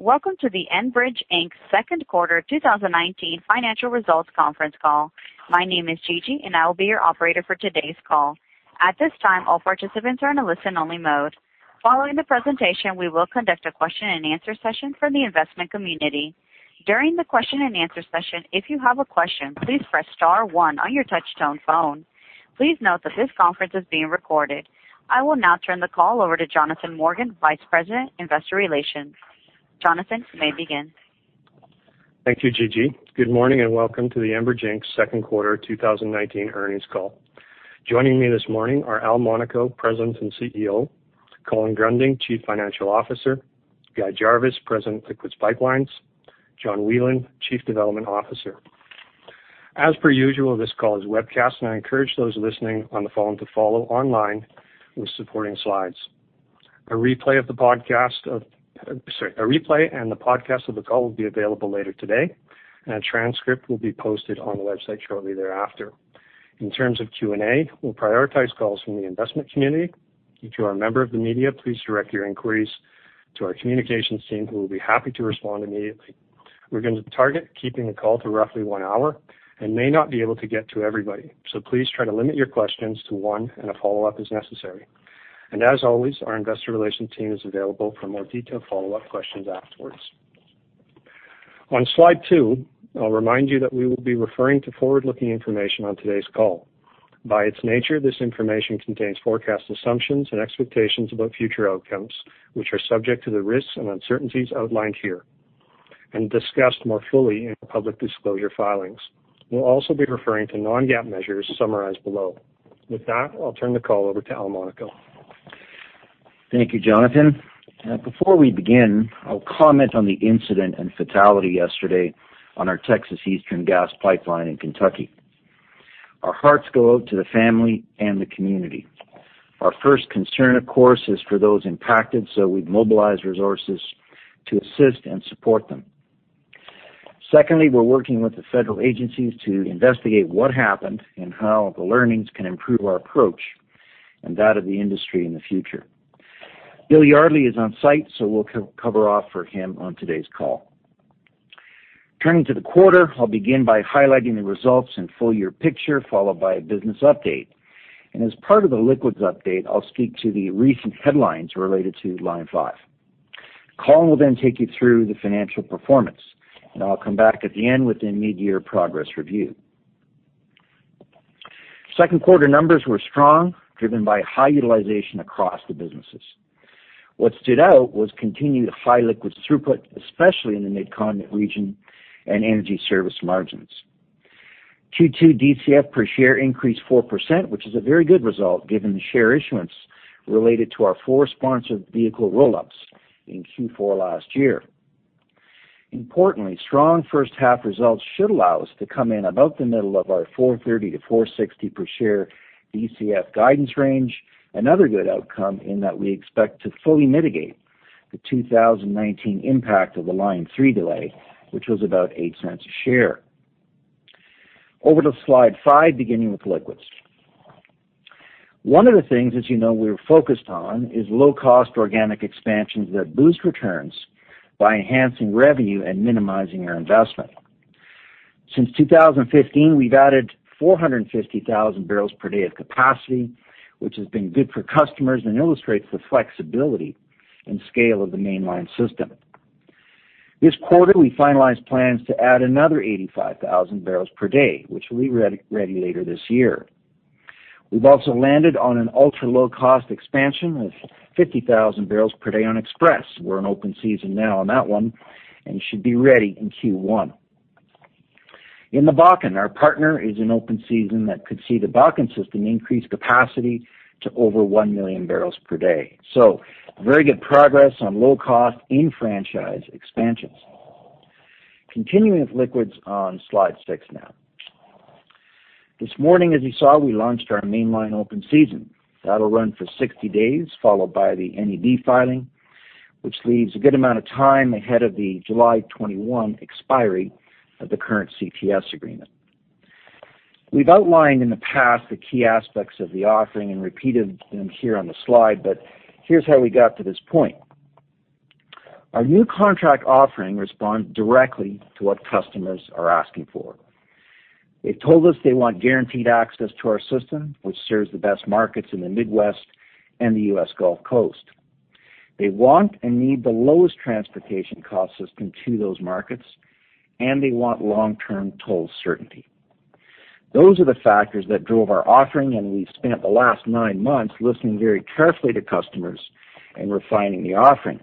Welcome to the Enbridge Inc.'s second quarter 2019 financial results conference call. My name is Gigi and I will be your operator for today's call. At this time, all participants are in a listen-only mode. Following the presentation, we will conduct a question and answer session from the investment community. During the question and answer session, if you have a question, please press star one on your touch-tone phone. Please note that this conference is being recorded. I will now turn the call over to Jonathan Morgan, Vice President, Investor Relations. Jonathan, you may begin. Thank you, Gigi. Good morning. Welcome to the Enbridge Inc.'s second quarter 2019 earnings call. Joining me this morning are Al Monaco, President and CEO, Colin Gruending, Chief Financial Officer, Guy Jarvis, President, Liquids Pipelines, John Whelan, Chief Development Officer. As per usual, this call is webcast and I encourage those listening on the phone to follow online with supporting slides. A replay and the podcast of the call will be available later today. A transcript will be posted on the website shortly thereafter. In terms of Q&A, we'll prioritize calls from the investment community. If you are a member of the media, please direct your inquiries to our communications team, who will be happy to respond immediately. We're going to target keeping the call to roughly one hour and may not be able to get to everybody, so please try to limit your questions to one and a follow-up as necessary. As always, our investor relations team is available for more detailed follow-up questions afterwards. On slide two, I will remind you that we will be referring to forward-looking information on today's call. By its nature, this information contains forecast assumptions and expectations about future outcomes, which are subject to the risks and uncertainties outlined here and discussed more fully in public disclosure filings. We will also be referring to non-GAAP measures summarized below. With that, I will turn the call over to Al Monaco. Thank you, Jonathan. Before we begin, I'll comment on the incident and fatality yesterday on our Texas Eastern Gas Pipeline in Kentucky. Our hearts go out to the family and the community. Our first concern, of course, is for those impacted, so we've mobilized resources to assist and support them. Secondly, we're working with the federal agencies to investigate what happened and how the learnings can improve our approach and that of the industry in the future. Bill Yardley is on site, so we'll cover off for him on today's call. Turning to the quarter, I'll begin by highlighting the results and full year picture, followed by a business update. As part of the liquids update, I'll speak to the recent headlines related to Line 5. Colin will then take you through the financial performance, and I'll come back at the end with the mid-year progress review. Second quarter numbers were strong, driven by high utilization across the businesses. What stood out was continued high liquids throughput, especially in the Midcontinent region, and energy service margins. Q2 DCF per share increased 4%, which is a very good result given the share issuance related to our 4 sponsored vehicle roll-ups in Q4 last year. Importantly, strong first half results should allow us to come in about the middle of our 4.30-4.60 per share DCF guidance range. Another good outcome in that we expect to fully mitigate the 2019 impact of the Line 3 delay, which was about 0.08 a share. Over to slide five, beginning with liquids. One of the things, as you know, we're focused on is low-cost organic expansions that boost returns by enhancing revenue and minimizing our investment. Since 2015, we've added 450,000 barrels per day of capacity, which has been good for customers and illustrates the flexibility and scale of the Mainline system. This quarter, we finalized plans to add another 85,000 barrels per day, which will be ready later this year. We've also landed on an ultra-low-cost expansion of 50,000 barrels per day on Express. We're in open season now on that one and should be ready in Q1. In the Bakken, our partner is in open season that could see the Bakken system increase capacity to over 1 million barrels per day. Very good progress on low cost in franchise expansions. Continuing with liquids on slide six now. This morning, as you saw, we launched our Mainline open season. That'll run for 60 days, followed by the NEB filing, which leaves a good amount of time ahead of the July 2021 expiry of the current CTS agreement. We've outlined in the past the key aspects of the offering and repeated them here on the slide, but here's how we got to this point. Our new contract offering responds directly to what customers are asking for. They've told us they want guaranteed access to our system, which serves the best markets in the Midwest and the U.S. Gulf Coast. They want and need the lowest transportation cost system to those markets, and they want long-term toll certainty. Those are the factors that drove our offering, and we've spent the last nine months listening very carefully to customers and refining the offering.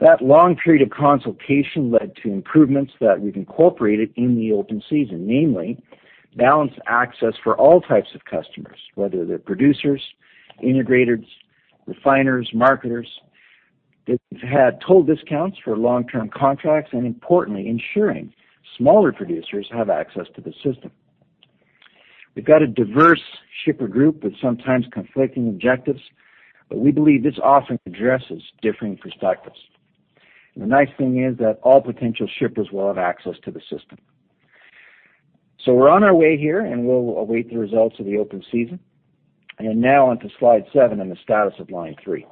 That long period of consultation led to improvements that we've incorporated in the open season. Namely, balanced access for all types of customers, whether they're producers, integrators, refiners, marketers. They've had toll discounts for long-term contracts and importantly, ensuring smaller producers have access to the system. We've got a diverse shipper group with sometimes conflicting objectives, but we believe this offering addresses differing perspectives. The nice thing is that all potential shippers will have access to the system. We're on our way here, and we'll await the results of the open season. Now on to slide seven and the status of Line 3.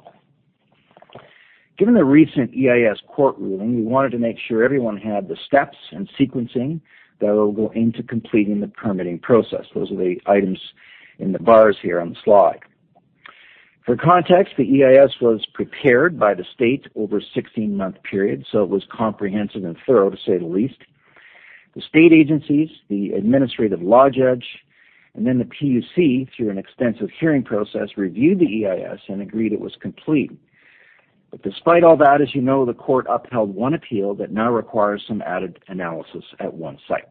Given the recent EIS court ruling, we wanted to make sure everyone had the steps and sequencing that will go into completing the permitting process. Those are the items in the bars here on the slide. For context, the EIS was prepared by the state over a 16-month period, so it was comprehensive and thorough, to say the least. The state agencies, the administrative law judge, and then the PUC, through an extensive hearing process, reviewed the EIS and agreed it was complete. Despite all that, as you know, the court upheld one appeal that now requires some added analysis at one site.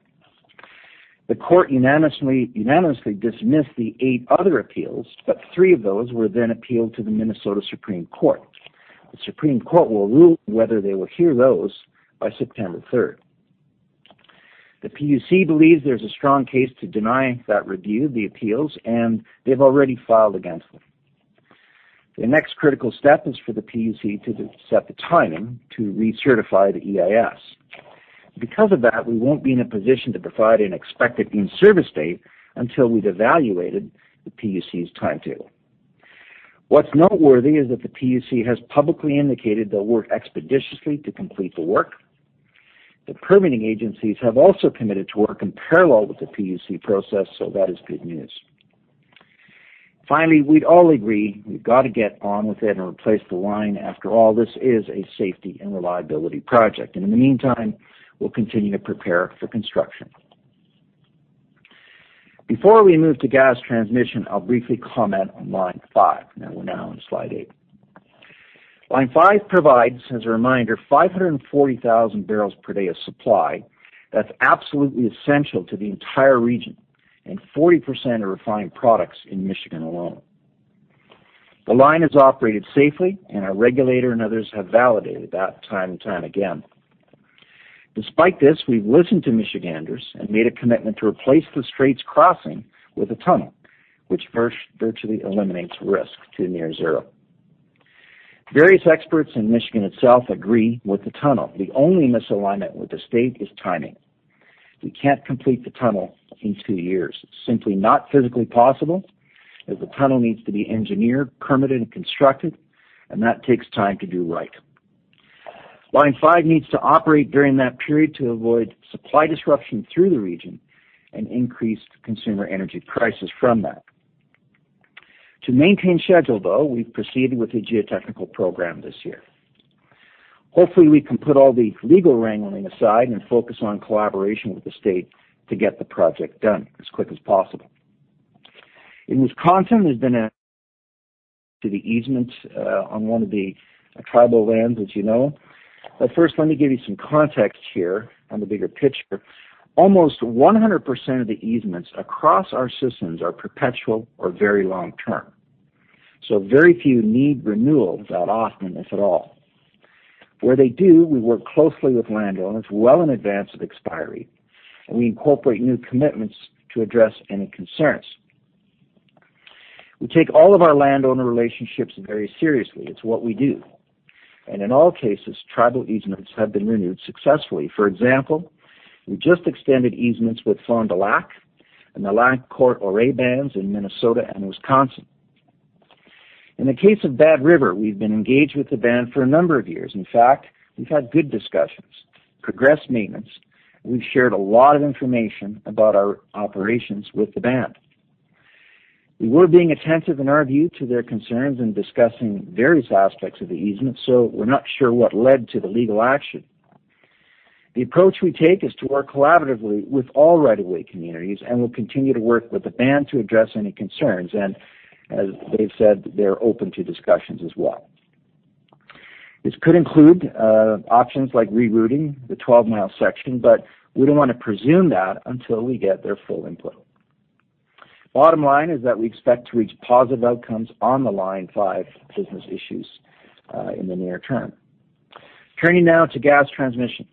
The court unanimously dismissed the eight other appeals, but three of those were then appealed to the Minnesota Supreme Court. The Supreme Court will rule whether they will hear those by September 3rd. The PUC believes there's a strong case to deny that review of the appeals, and they've already filed against them. The next critical step is for the PUC to set the timing to recertify the EIS. Because of that, we won't be in a position to provide an expected in-service date until we've evaluated the PUC's timetable. What's noteworthy is that the PUC has publicly indicated they'll work expeditiously to complete the work. The permitting agencies have also committed to work in parallel with the PUC process. That is good news. We'd all agree we've got to get on with it and replace the line. After all, this is a safety and reliability project. In the meantime, we'll continue to prepare for construction. Before we move to gas transmission, I'll briefly comment on Line 5. We're now on slide eight. Line 5 provides, as a reminder, 540,000 barrels per day of supply that's absolutely essential to the entire region and 40% of refined products in Michigan alone. The line has operated safely. Our regulator and others have validated that time and time again. Despite this, we've listened to Michiganders and made a commitment to replace the Straits crossing with a tunnel, which virtually eliminates risk to near zero. Various experts in Michigan itself agree with the tunnel. The only misalignment with the state is timing. We can't complete the tunnel in two years. It's simply not physically possible, as the tunnel needs to be engineered, permitted, and constructed, and that takes time to do right. Line 5 needs to operate during that period to avoid supply disruption through the region and increased consumer energy prices from that. To maintain schedule, though, we've proceeded with the geotechnical program this year. Hopefully, we can put all the legal wrangling aside and focus on collaboration with the state to get the project done as quick as possible. In Wisconsin, there's been an to the easements on one of the tribal lands, as you know. First, let me give you some context here on the bigger picture. Almost 100% of the easements across our systems are perpetual or very long-term. Very few need renewal that often, if at all. Where they do, we work closely with landowners well in advance of expiry, and we incorporate new commitments to address any concerns. We take all of our landowner relationships very seriously. It's what we do. In all cases, tribal easements have been renewed successfully. For example, we just extended easements with Fond du Lac and the Lac Courte Oreilles Bands in Minnesota and Wisconsin. In the case of Bad River, we've been engaged with the band for a number of years. In fact, we've had good discussions, progressed maintenance, and we've shared a lot of information about our operations with the band. We were being attentive in our view to their concerns and discussing various aspects of the easement, so we're not sure what led to the legal action. The approach we take is to work collaboratively with all right-of-way communities, and we'll continue to work with the band to address any concerns. As they've said, they're open to discussions as well. This could include options like rerouting the 12-mile section, but we don't want to presume that until we get their full input. Bottom line is that we expect to reach positive outcomes on the Line 5 business issues in the near term. Turning now to gas transmission.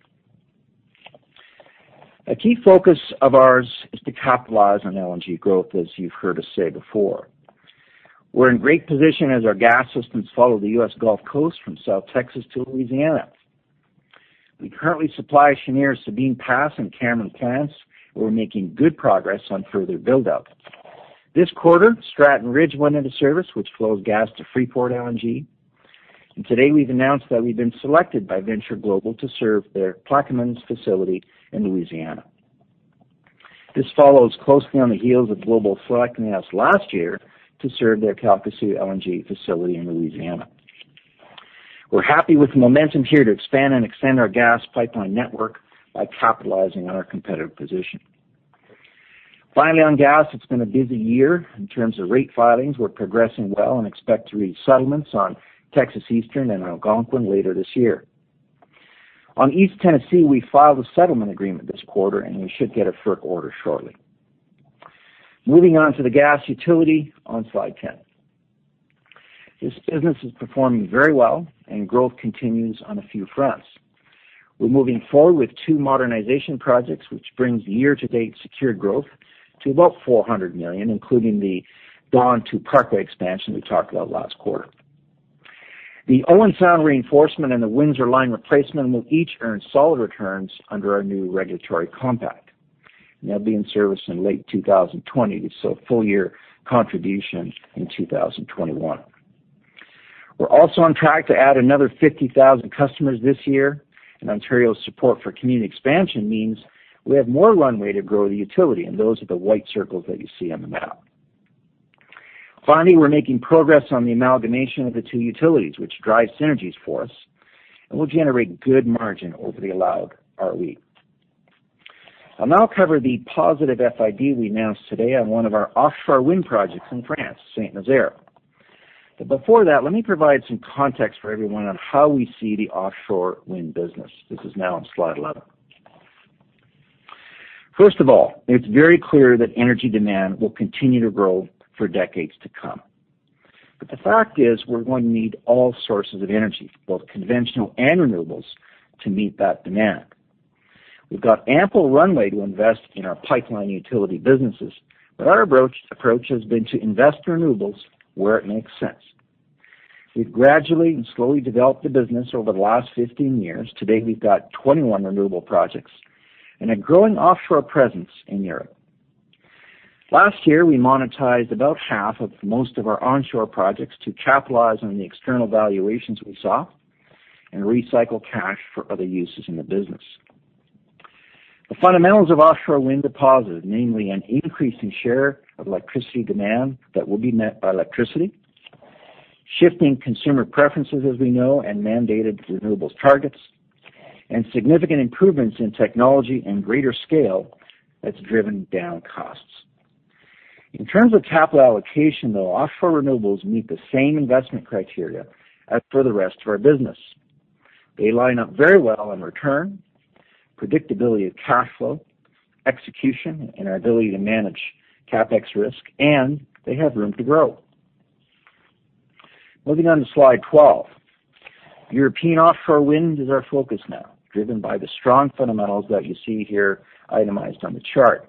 A key focus of ours is to capitalize on LNG growth, as you've heard us say before. We're in great position as our gas systems follow the U.S. Gulf Coast from South Texas to Louisiana. We currently supply Cheniere Sabine Pass and Cameron plants. We're making good progress on further build-out. This quarter, Stratton Ridge went into service, which flows gas to Freeport LNG. Today we've announced that we've been selected by Venture Global to serve their Plaquemines facility in Louisiana. This follows closely on the heels of Global selecting us last year to serve their Calcasieu LNG facility in Louisiana. We're happy with the momentum here to expand and extend our gas pipeline network by capitalizing on our competitive position. Finally, on gas, it's been a busy year in terms of rate filings. We're progressing well and expect to reach settlements on Texas Eastern and Algonquin later this year. On East Tennessee, we filed a settlement agreement this quarter, and we should get a FERC order shortly. Moving on to the gas utility on slide 10. This business is performing very well, and growth continues on a few fronts. We're moving forward with two modernization projects, which brings year-to-date secured growth to about 400 million, including the Dawn to Parkway expansion we talked about last quarter. The Owen Sound reinforcement and the Windsor Line replacement will each earn solid returns under our new regulatory compact. They'll be in service in late 2020, so full-year contribution in 2021. We're also on track to add another 50,000 customers this year, and Ontario's support for community expansion means we have more runway to grow the utility, and those are the white circles that you see on the map. Finally, we're making progress on the amalgamation of the two utilities, which drives synergies for us and will generate good margin over the allowed ROE. I'll now cover the positive FID we announced today on one of our offshore wind projects in France, Saint-Nazaire. Before that, let me provide some context for everyone on how we see the offshore wind business. This is now on slide 11. First of all, it's very clear that energy demand will continue to grow for decades to come. The fact is, we're going to need all sources of energy, both conventional and renewables, to meet that demand. We've got ample runway to invest in our pipeline utility businesses, our approach has been to invest renewables where it makes sense. We've gradually and slowly developed the business over the last 15 years. Today, we've got 21 renewable projects and a growing offshore presence in Europe. Last year, we monetized about half of most of our onshore projects to capitalize on the external valuations we saw and recycle cash for other uses in the business. The fundamentals of offshore wind are positive, namely an increasing share of electricity demand that will be met by electricity, shifting consumer preferences, as we know, and mandated renewables targets, and significant improvements in technology and greater scale that's driven down costs. In terms of capital allocation, though, offshore renewables meet the same investment criteria as for the rest of our business. They line up very well on return, predictability of cash flow, execution, and our ability to manage CapEx risk, and they have room to grow. Moving on to slide 12. European offshore wind is our focus now, driven by the strong fundamentals that you see here itemized on the chart.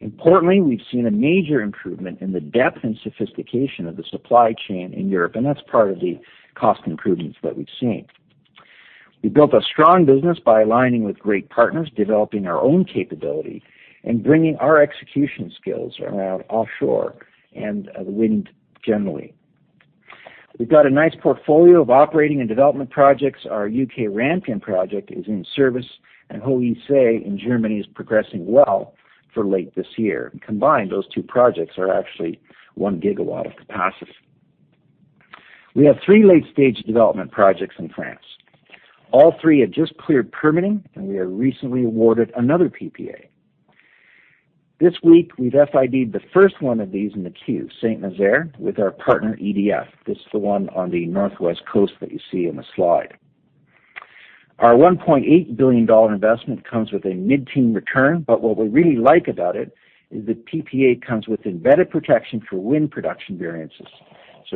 We've seen a major improvement in the depth and sophistication of the supply chain in Europe, that's part of the cost improvements that we've seen. We've built a strong business by aligning with great partners, developing our own capability, and bringing our execution skills around offshore and wind generally. We've got a nice portfolio of operating and development projects. Our U.K. Rampion project is in service, Hohe See in Germany is progressing well for late this year. Combined, those two projects are actually one gigawatt of capacity. We have three late-stage development projects in France. All three have just cleared permitting, we have recently awarded another PPA. This week, we've FID the first one of these in the queue, Saint-Nazaire, with our partner EDF. This is the one on the northwest coast that you see in the slide. Our 1.8 billion dollar investment comes with a mid-teen return. What we really like about it is the PPA comes with embedded protection for wind production variances.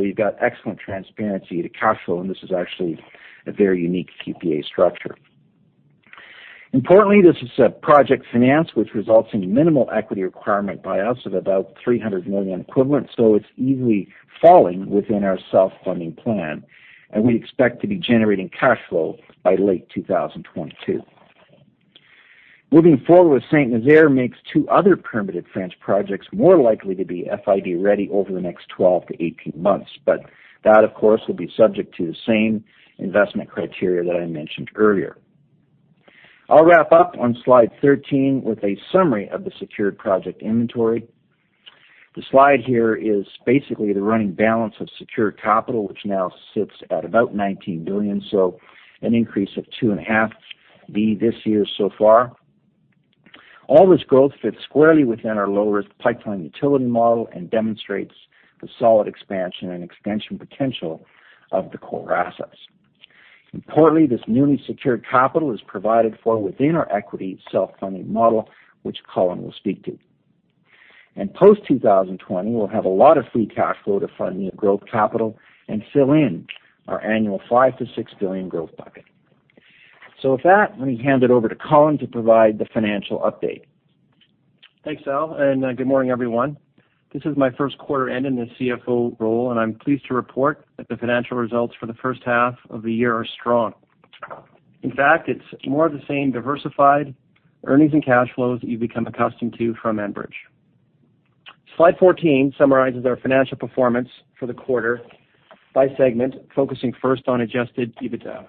You've got excellent transparency to cash flow, and this is actually a very unique PPA structure. Importantly, this is a project finance which results in minimal equity requirement by us of about 300 million equivalent, so it's easily falling within our self-funding plan, and we expect to be generating cash flow by late 2022. Moving forward with Saint-Nazaire makes two other permitted French projects more likely to be FID-ready over the next 12 to 18 months. That, of course, will be subject to the same investment criteria that I mentioned earlier. I'll wrap up on slide 13 with a summary of the secured project inventory. The slide here is basically the running balance of secured capital, which now sits at about 19 billion, an increase of 2.5 billion this year so far. All this growth fits squarely within our lower pipeline utility model and demonstrates the solid expansion and expansion potential of the core assets. Importantly, this newly secured capital is provided for within our equity self-funding model, which Colin will speak to. In post-2020, we'll have a lot of free cash flow to fund new growth capital and fill in our annual 5 billion-6 billion growth bucket. With that, let me hand it over to Colin to provide the financial update. Thanks, Al. Good morning, everyone. This is my first quarter end in the CFO role, and I'm pleased to report that the financial results for the first half of the year are strong. In fact, it's more of the same diversified earnings and cash flows that you've become accustomed to from Enbridge. Slide 14 summarizes our financial performance for the quarter by segment, focusing first on adjusted EBITDA.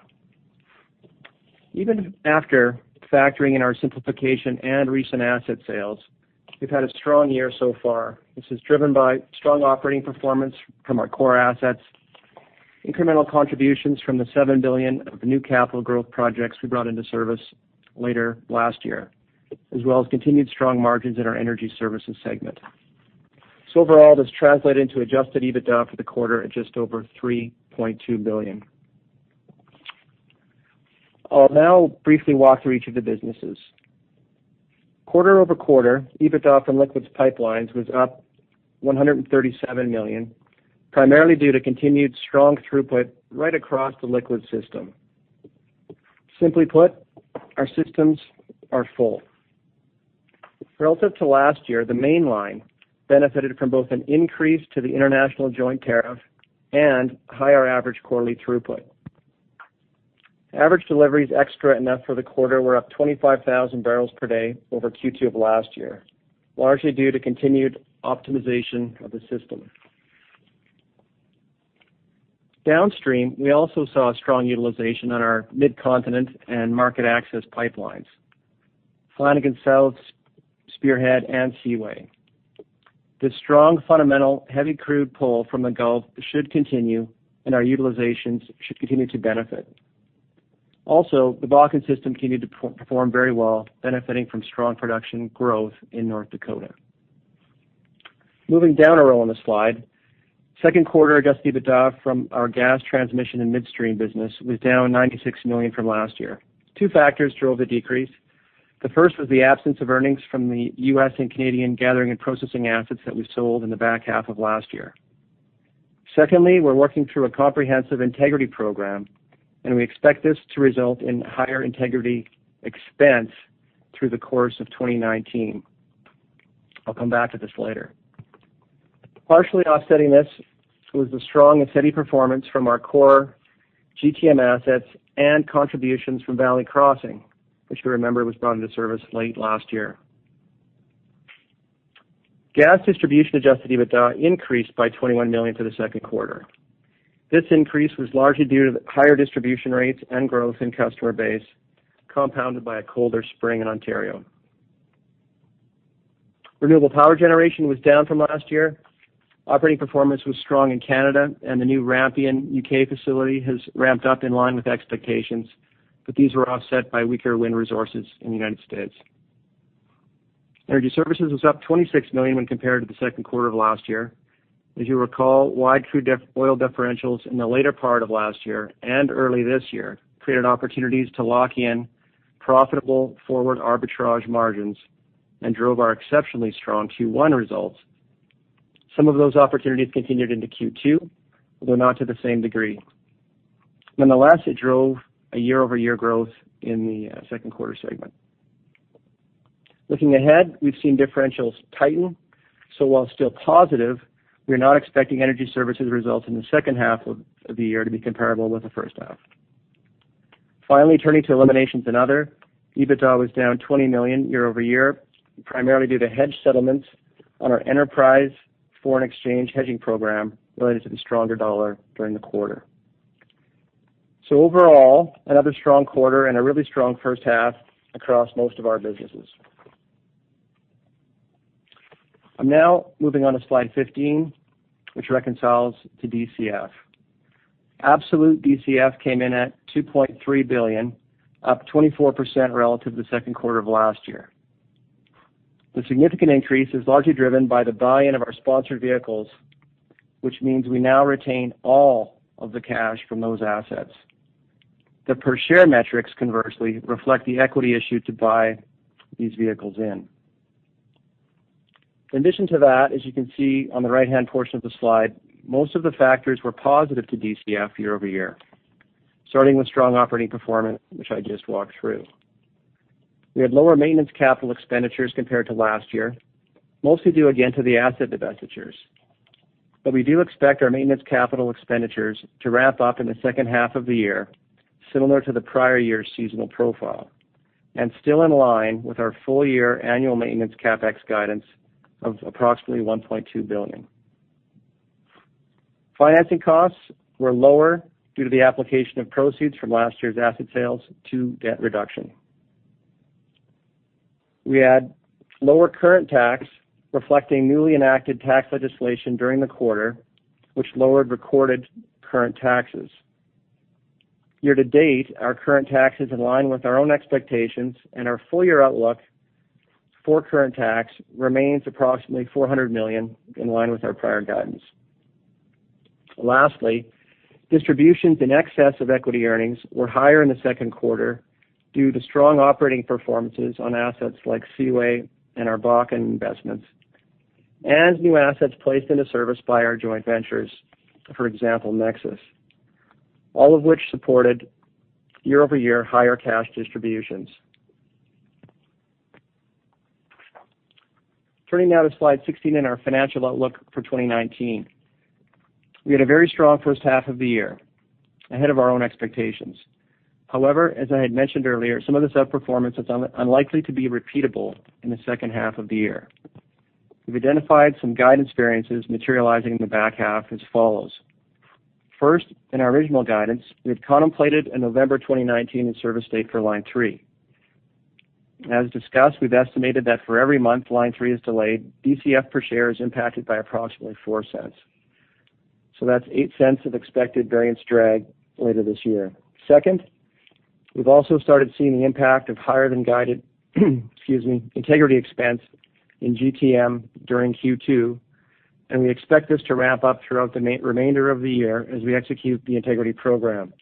Even after factoring in our simplification and recent asset sales, we've had a strong year so far. This is driven by strong operating performance from our core assets, incremental contributions from the 7 billion of the new capital growth projects we brought into service later last year, as well as continued strong margins in our energy services segment. Overall, this translated into adjusted EBITDA for the quarter at just over 3.2 billion. I'll now briefly walk through each of the businesses. Quarter-over-quarter, EBITDA from liquids pipelines was up 137 million, primarily due to continued strong throughput right across the liquid system. Simply put, our systems are full. Relative to last year, the Mainline benefited from both an increase to the international joint tariff and higher average quarterly throughput. Average deliveries extra and net for the quarter were up 25,000 barrels per day over Q2 of last year, largely due to continued optimization of the system. Downstream, we also saw a strong utilization on our Midcontinent and market access pipelines, Flanagan South, Spearhead, and Seaway. This strong fundamental heavy crude pull from the Gulf should continue, and our utilizations should continue to benefit. Also, the Bakken system continued to perform very well, benefiting from strong production growth in North Dakota. Moving down a row on the slide, second quarter adjusted EBITDA from our gas transmission and midstream business was down 96 million from last year. Two factors drove the decrease. The first was the absence of earnings from the U.S. and Canadian gathering and processing assets that we sold in the back half of last year. Secondly, we're working through a comprehensive integrity program, and we expect this to result in higher integrity expense through the course of 2019. I'll come back to this later. Partially offsetting this was the strong and steady performance from our core GTM assets and contributions from Valley Crossing, which you remember was brought into service late last year. Gas distribution adjusted EBITDA increased by 21 million for the second quarter. This increase was largely due to the higher distribution rates and growth in customer base, compounded by a colder spring in Ontario. Renewable power generation was down from last year. Operating performance was strong in Canada, and the new Rampion U.K. facility has ramped up in line with expectations, but these were offset by weaker wind resources in the U.S. Energy Services was up 26 million when compared to the second quarter of last year. As you recall, wide crude oil differentials in the later part of last year and early this year created opportunities to lock in profitable forward arbitrage margins and drove our exceptionally strong Q1 results. Some of those opportunities continued into Q2, although not to the same degree. Nonetheless, it drove a year-over-year growth in the second quarter segment. Looking ahead, we've seen differentials tighten, so while still positive, we are not expecting Energy Services results in the second half of the year to be comparable with the first half. Turning to eliminations and other, EBITDA was down 20 million year-over-year, primarily due to hedge settlements on our enterprise foreign exchange hedging program related to the stronger dollar during the quarter. Overall, another strong quarter and a really strong first half across most of our businesses. I'm now moving on to slide 15, which reconciles to DCF. Absolute DCF came in at 2.3 billion, up 24% relative to the second quarter of last year. The significant increase is largely driven by the buy-in of our sponsored vehicles, which means we now retain all of the cash from those assets. The per share metrics, conversely, reflect the equity issued to buy these vehicles in. In addition to that, as you can see on the right-hand portion of the slide, most of the factors were positive to DCF year-over-year. Starting with strong operating performance, which I just walked through. We had lower maintenance capital expenditures compared to last year, mostly due again to the asset divestitures. We do expect our maintenance capital expenditures to ramp up in the second half of the year, similar to the prior year's seasonal profile and still in line with our full-year annual maintenance CapEx guidance of approximately 1.2 billion. Financing costs were lower due to the application of proceeds from last year's asset sales to debt reduction. We had lower current tax reflecting newly enacted tax legislation during the quarter, which lowered recorded current taxes. Year to date, our current tax is in line with our own expectations, our full-year outlook for current tax remains approximately 400 million, in line with our prior guidance. Distributions in excess of equity earnings were higher in the second quarter due to strong operating performances on assets like Seaway and our Bakken investments, and new assets placed into service by our joint ventures, for example, Nexus. All of which supported year-over-year higher cash distributions. Turning now to slide 16 and our financial outlook for 2019. As I had mentioned earlier, some of this outperformance is unlikely to be repeatable in the second half of the year. We've identified some guidance variances materializing in the back half as follows. In our original guidance, we had contemplated a November 2019 in-service date for Line 3. As discussed, we've estimated that for every month Line 3 is delayed, DCF per share is impacted by approximately 0.04. That's 0.08 of expected variance drag later this year. Second, we've also started seeing the impact of higher than guided, excuse me, integrity expense in GTM during Q2, and we expect this to ramp up throughout the remainder of the year as we execute the integrity program.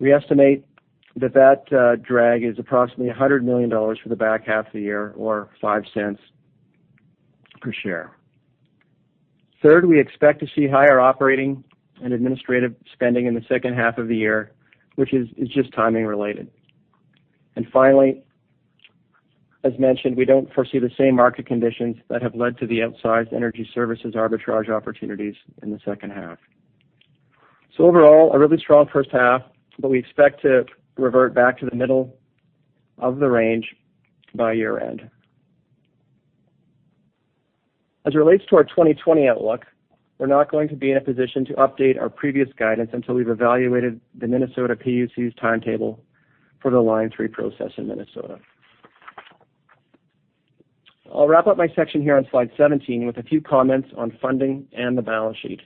We estimate that drag is approximately 100 million dollars for the back half of the year or 0.05 per share. Third, we expect to see higher operating and administrative spending in the second half of the year, which is just timing related. Finally, as mentioned, we don't foresee the same market conditions that have led to the outsized energy services arbitrage opportunities in the second half. Overall, a really strong first half, but we expect to revert back to the middle of the range by year-end. As it relates to our 2020 outlook, we're not going to be in a position to update our previous guidance until we've evaluated the Minnesota PUC's timetable for the Line 3 process in Minnesota. I'll wrap up my section here on slide 17 with a few comments on funding and the balance sheet.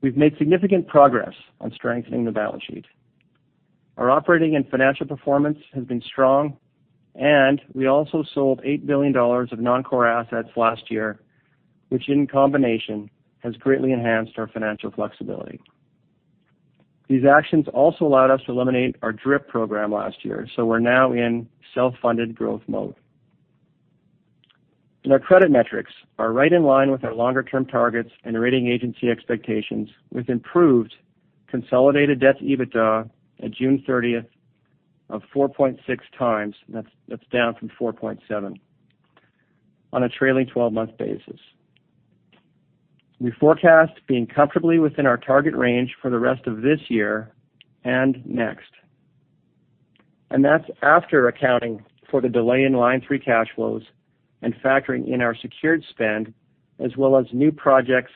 We've made significant progress on strengthening the balance sheet. Our operating and financial performance has been strong. We also sold 8 billion dollars of non-core assets last year, which in combination has greatly enhanced our financial flexibility. These actions also allowed us to eliminate our DRIP program last year. We're now in self-funded growth mode. Our credit metrics are right in line with our longer-term targets and the rating agency expectations with improved consolidated debt to EBITDA at June 30th of 4.6 times, that's down from 4.7 on a trailing 12-month basis. We forecast being comfortably within our target range for the rest of this year and next. That's after accounting for the delay in Line 3 cash flows and factoring in our secured spend, as well as new projects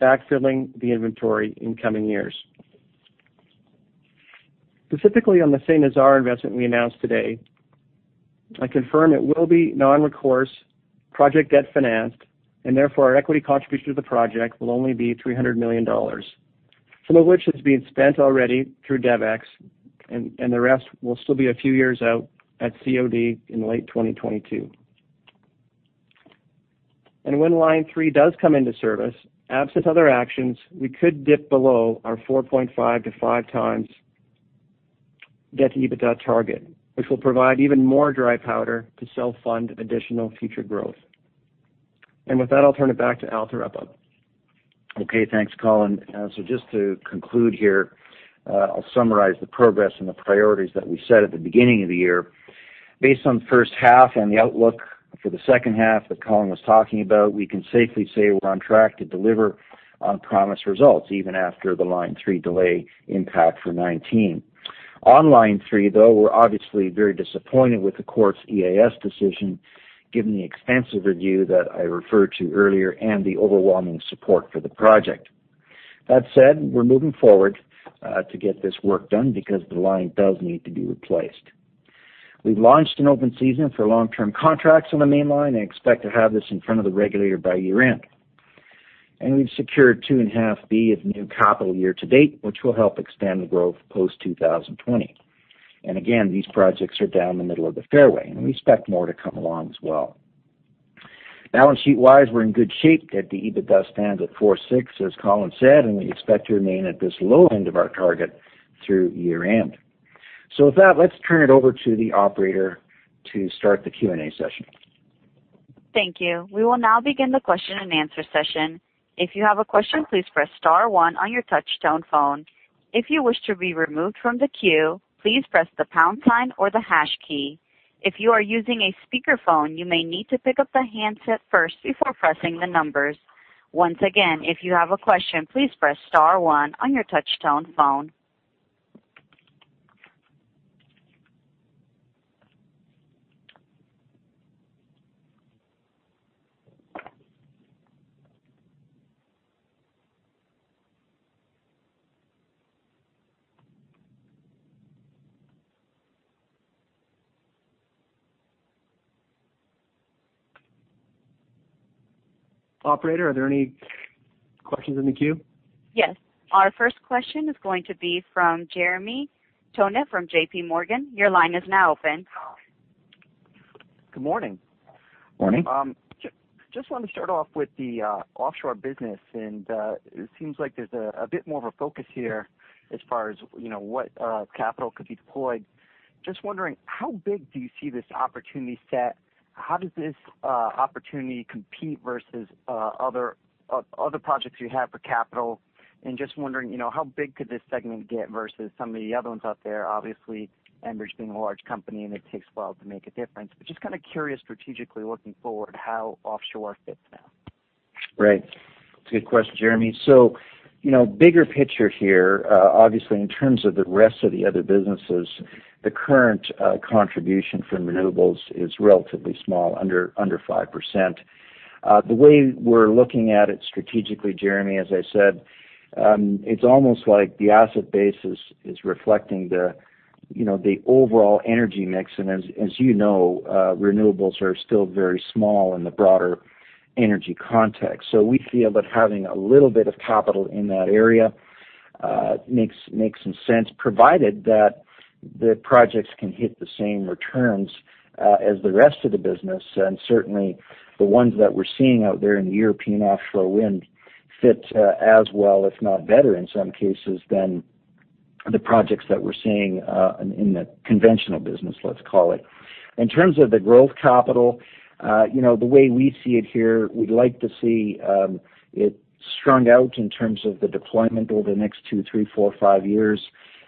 backfilling the inventory in coming years. Specifically, on the Saint-Nazaire investment we announced today, I confirm it will be non-recourse, project debt financed, therefore, our equity contribution to the project will only be 300 million dollars, some of which is being spent already through DevEx, the rest will still be a few years out at COD in late 2022. When Line 3 does come into service, absent other actions, we could dip below our 4.5 to 5 times debt to EBITDA target, which will provide even more dry powder to self-fund additional future growth. With that, I'll turn it back to Al Monaco. Thanks, Colin. Just to conclude here, I'll summarize the progress and the priorities that we set at the beginning of the year. Based on the first half and the outlook for the second half that Colin was talking about, we can safely say we're on track to deliver on promised results even after the Line 3 delay impact for 2019. On Line 3, though, we're obviously very disappointed with the court's EIS decision, given the extensive review that I referred to earlier and the overwhelming support for the project. That said, we're moving forward to get this work done because the line does need to be replaced. We've launched an open season for long-term contracts on the mainline and expect to have this in front of the regulator by year-end. We've secured 2.5 billion of new capital year to date, which will help extend the growth post 2020. Again, these projects are down the middle of the fairway, and we expect more to come along as well. Balance sheet-wise, we're in good shape. The EBITDA stands at 4.6, as Colin said, and we expect to remain at this low end of our target through year-end. With that, let's turn it over to the operator to start the Q&A session. Thank you. We will now begin the question and answer session. If you have a question, please press star one on your touch-tone phone. If you wish to be removed from the queue, please press the pound sign or the hash key. If you are using a speakerphone, you may need to pick up the handset first before pressing the numbers. Once again, if you have a question, please press star one on your touch-tone phone. Operator, are there any questions in the queue? Yes. Our first question is going to be from Jeremy Tonet from J.P. Morgan. Your line is now open. Good morning. Morning. Just wanted to start off with the offshore business. It seems like there's a bit more of a focus here as far as what capital could be deployed. Just wondering, how big do you see this opportunity set? How does this opportunity compete versus other projects you have for capital? Just wondering, how big could this segment get versus some of the other ones out there? Obviously, Enbridge being a large company, and it takes a while to make a difference, but just kind of curious strategically looking forward how offshore fits now. Right. That's a good question, Jeremy. Bigger picture here. Obviously, in terms of the rest of the other businesses, the current contribution from renewables is relatively small, under 5%. The way we're looking at it strategically, Jeremy, as I said, it's almost like the asset base is reflecting the overall energy mix. As you know, renewables are still very small in the broader energy context. We feel that having a little bit of capital in that area makes some sense, provided that the projects can hit the same returns as the rest of the business. Certainly, the ones that we're seeing out there in the European offshore wind fit as well, if not better in some cases than the projects that we're seeing in the conventional business, let's call it. In terms of the growth capital, the way we see it here, we'd like to see it strung out in terms of the deployment over the next two, three, four, five years.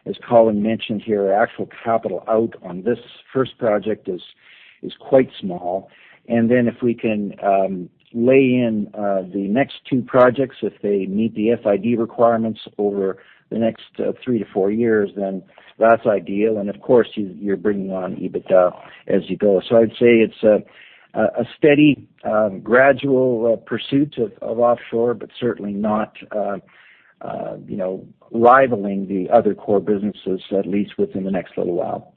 As Colin mentioned here, our actual capital out on this first project is quite small. If we can lay in the next two projects, if they meet the FID requirements over the next three to four years, then that's ideal. Of course, you're bringing on EBITDA as you go. I'd say it's a steady, gradual pursuit of offshore, but certainly not rivaling the other core businesses, at least within the next little while.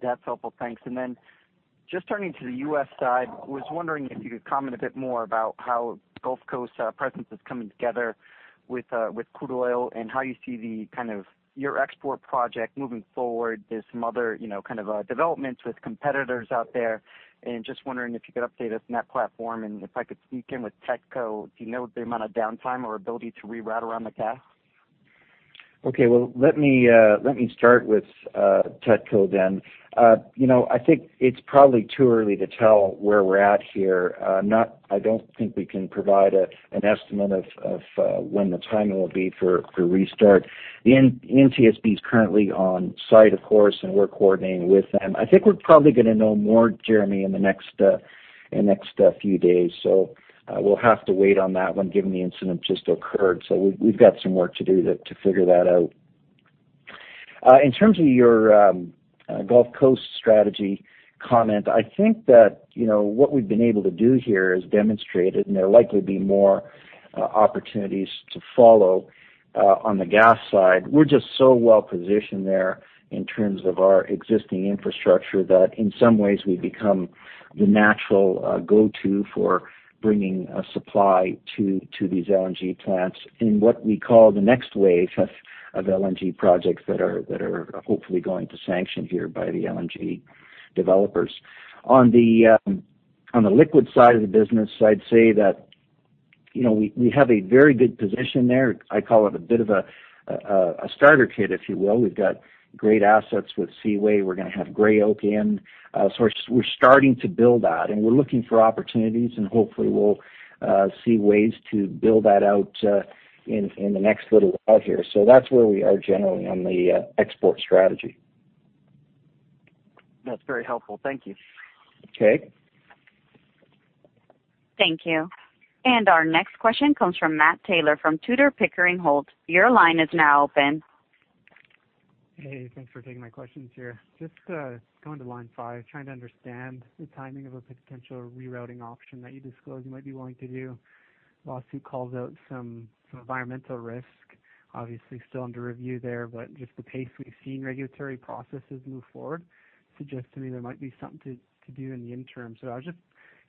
That's helpful. Thanks. Just turning to the U.S. side, I was wondering if you could comment a bit more about how Gulf Coast presence is coming together with crude oil and how you see your export project moving forward. There's some other kind of developments with competitors out there, just wondering if you could update us on that platform. If I could sneak in with TETCo, do you know the amount of downtime or ability to reroute around the gas? Okay, well, let me start with TETCo. I think it's probably too early to tell where we're at here. I don't think we can provide an estimate of when the timing will be for restart. The NTSB is currently on site, of course, and we're coordinating with them. I think we're probably going to know more, Jeremy, in the next few days. We'll have to wait on that one given the incident just occurred. We've got some work to do to figure that out. In terms of your Gulf Coast strategy comment, I think that what we've been able to do here is demonstrate it, and there'll likely be more opportunities to follow on the gas side. We're just so well-positioned there in terms of our existing infrastructure that in some ways we become the natural go-to for bringing a supply to these LNG plants in what we call the next wave of LNG projects that are hopefully going to sanction here by the LNG developers. On the liquid side of the business, I'd say that we have a very good position there. I call it a bit of a starter kit, if you will. We've got great assets with Seaway. We're going to have Gray Oak in. We're starting to build that, and we're looking for opportunities, and hopefully we'll see ways to build that out in the next little while here. That's where we are generally on the export strategy. That's very helpful. Thank you. Okay. Thank you. Our next question comes from Matt Taylor from Tudor, Pickering, Holt. Your line is now open. Thanks for taking my questions here. Going to Line 5, trying to understand the timing of a potential rerouting option that you disclosed you might be willing to do. Lawsuit calls out some environmental risk, obviously still under review there, the pace we've seen regulatory processes move forward suggests to me there might be something to do in the interim. I was just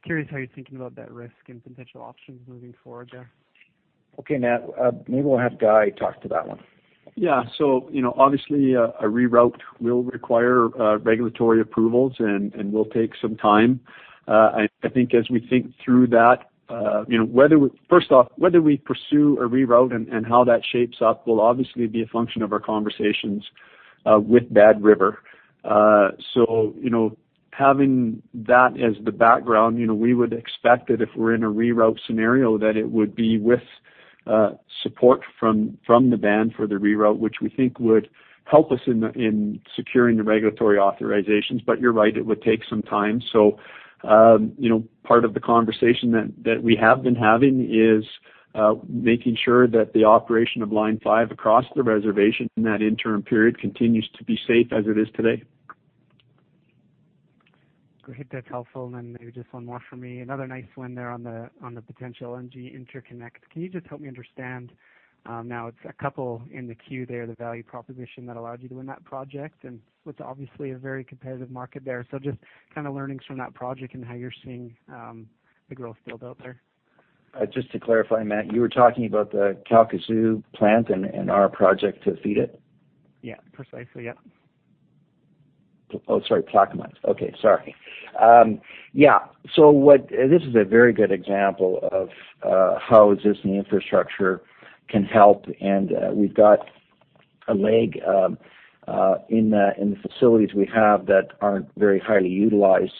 curious how you're thinking about that risk and potential options moving forward there. Okay, Matt, maybe we'll have Guy talk to that one. Yeah. Obviously a reroute will require regulatory approvals and will take some time. I think as we think through that, first off, whether we pursue a reroute and how that shapes up will obviously be a function of our conversations with Bad River. Having that as the background, we would expect that if we're in a reroute scenario, that it would be with support from the band for the reroute, which we think would help us in securing the regulatory authorizations. You're right, it would take some time. Part of the conversation that we have been having is making sure that the operation of Line 5 across the reservation in that interim period continues to be safe as it is today. Great. That's helpful. Maybe just one more from me. Another nice win there on the potential LNG interconnect. Can you just help me understand, now it's a couple in the queue there, the value proposition that allowed you to win that project, and with obviously a very competitive market there. Just learnings from that project and how you're seeing the growth build out there. Just to clarify, Matt, you were talking about the Kalamazoo plant and our project to feed it? Precisely, yeah. Sorry, Plaquemines. Okay, sorry. Yeah. This is a very good example of how existing infrastructure can help, and we've got a leg in the facilities we have that aren't very highly utilized.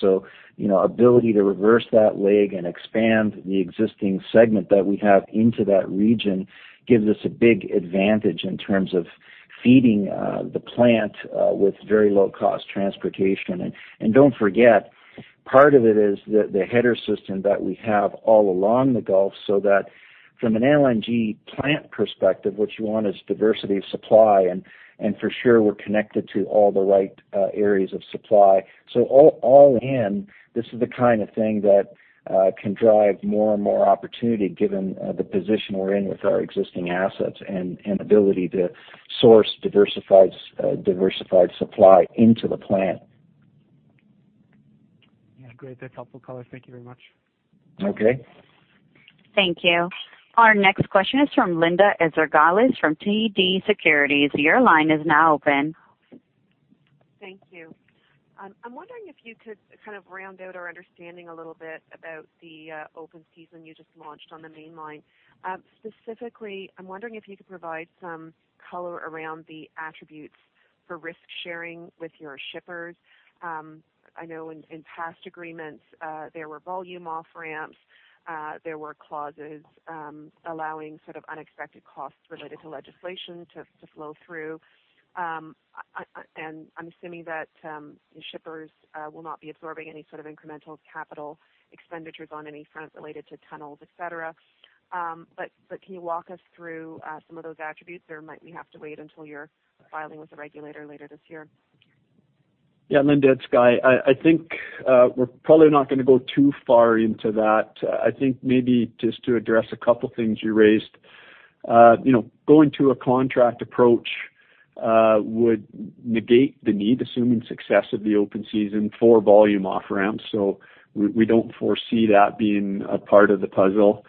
Ability to reverse that leg and expand the existing segment that we have into that region gives us a big advantage in terms of feeding the plant with very low-cost transportation. Don't forget, part of it is the header system that we have all along the Gulf, so that from an LNG plant perspective, what you want is diversity of supply. For sure, we're connected to all the right areas of supply. All in, this is the kind of thing that can drive more and more opportunity given the position we're in with our existing assets and ability to source diversified supply into the plant. Yeah, great. That's helpful color. Thank you very much. Okay. Thank you. Our next question is from Linda Ezergailis from TD Securities. Your line is now open. Thank you. I'm wondering if you could round out our understanding a little bit about the open season you just launched on the mainline. Specifically, I'm wondering if you could provide some color around the attributes for risk sharing with your shippers. I know in past agreements, there were volume off-ramps. There were clauses allowing unexpected costs related to legislation to flow through. I'm assuming that the shippers will not be absorbing any sort of incremental capital expenditures on any front related to tunnels, et cetera. Can you walk us through some of those attributes, or might we have to wait until you're filing with the regulator later this year? Yeah, Linda, it's Guy. I think we're probably not going to go too far into that. I think maybe just to address a couple things you raised. Going to a contract approach would negate the need, assuming success of the open season, for volume off-ramps. We don't foresee that being a part of the puzzle.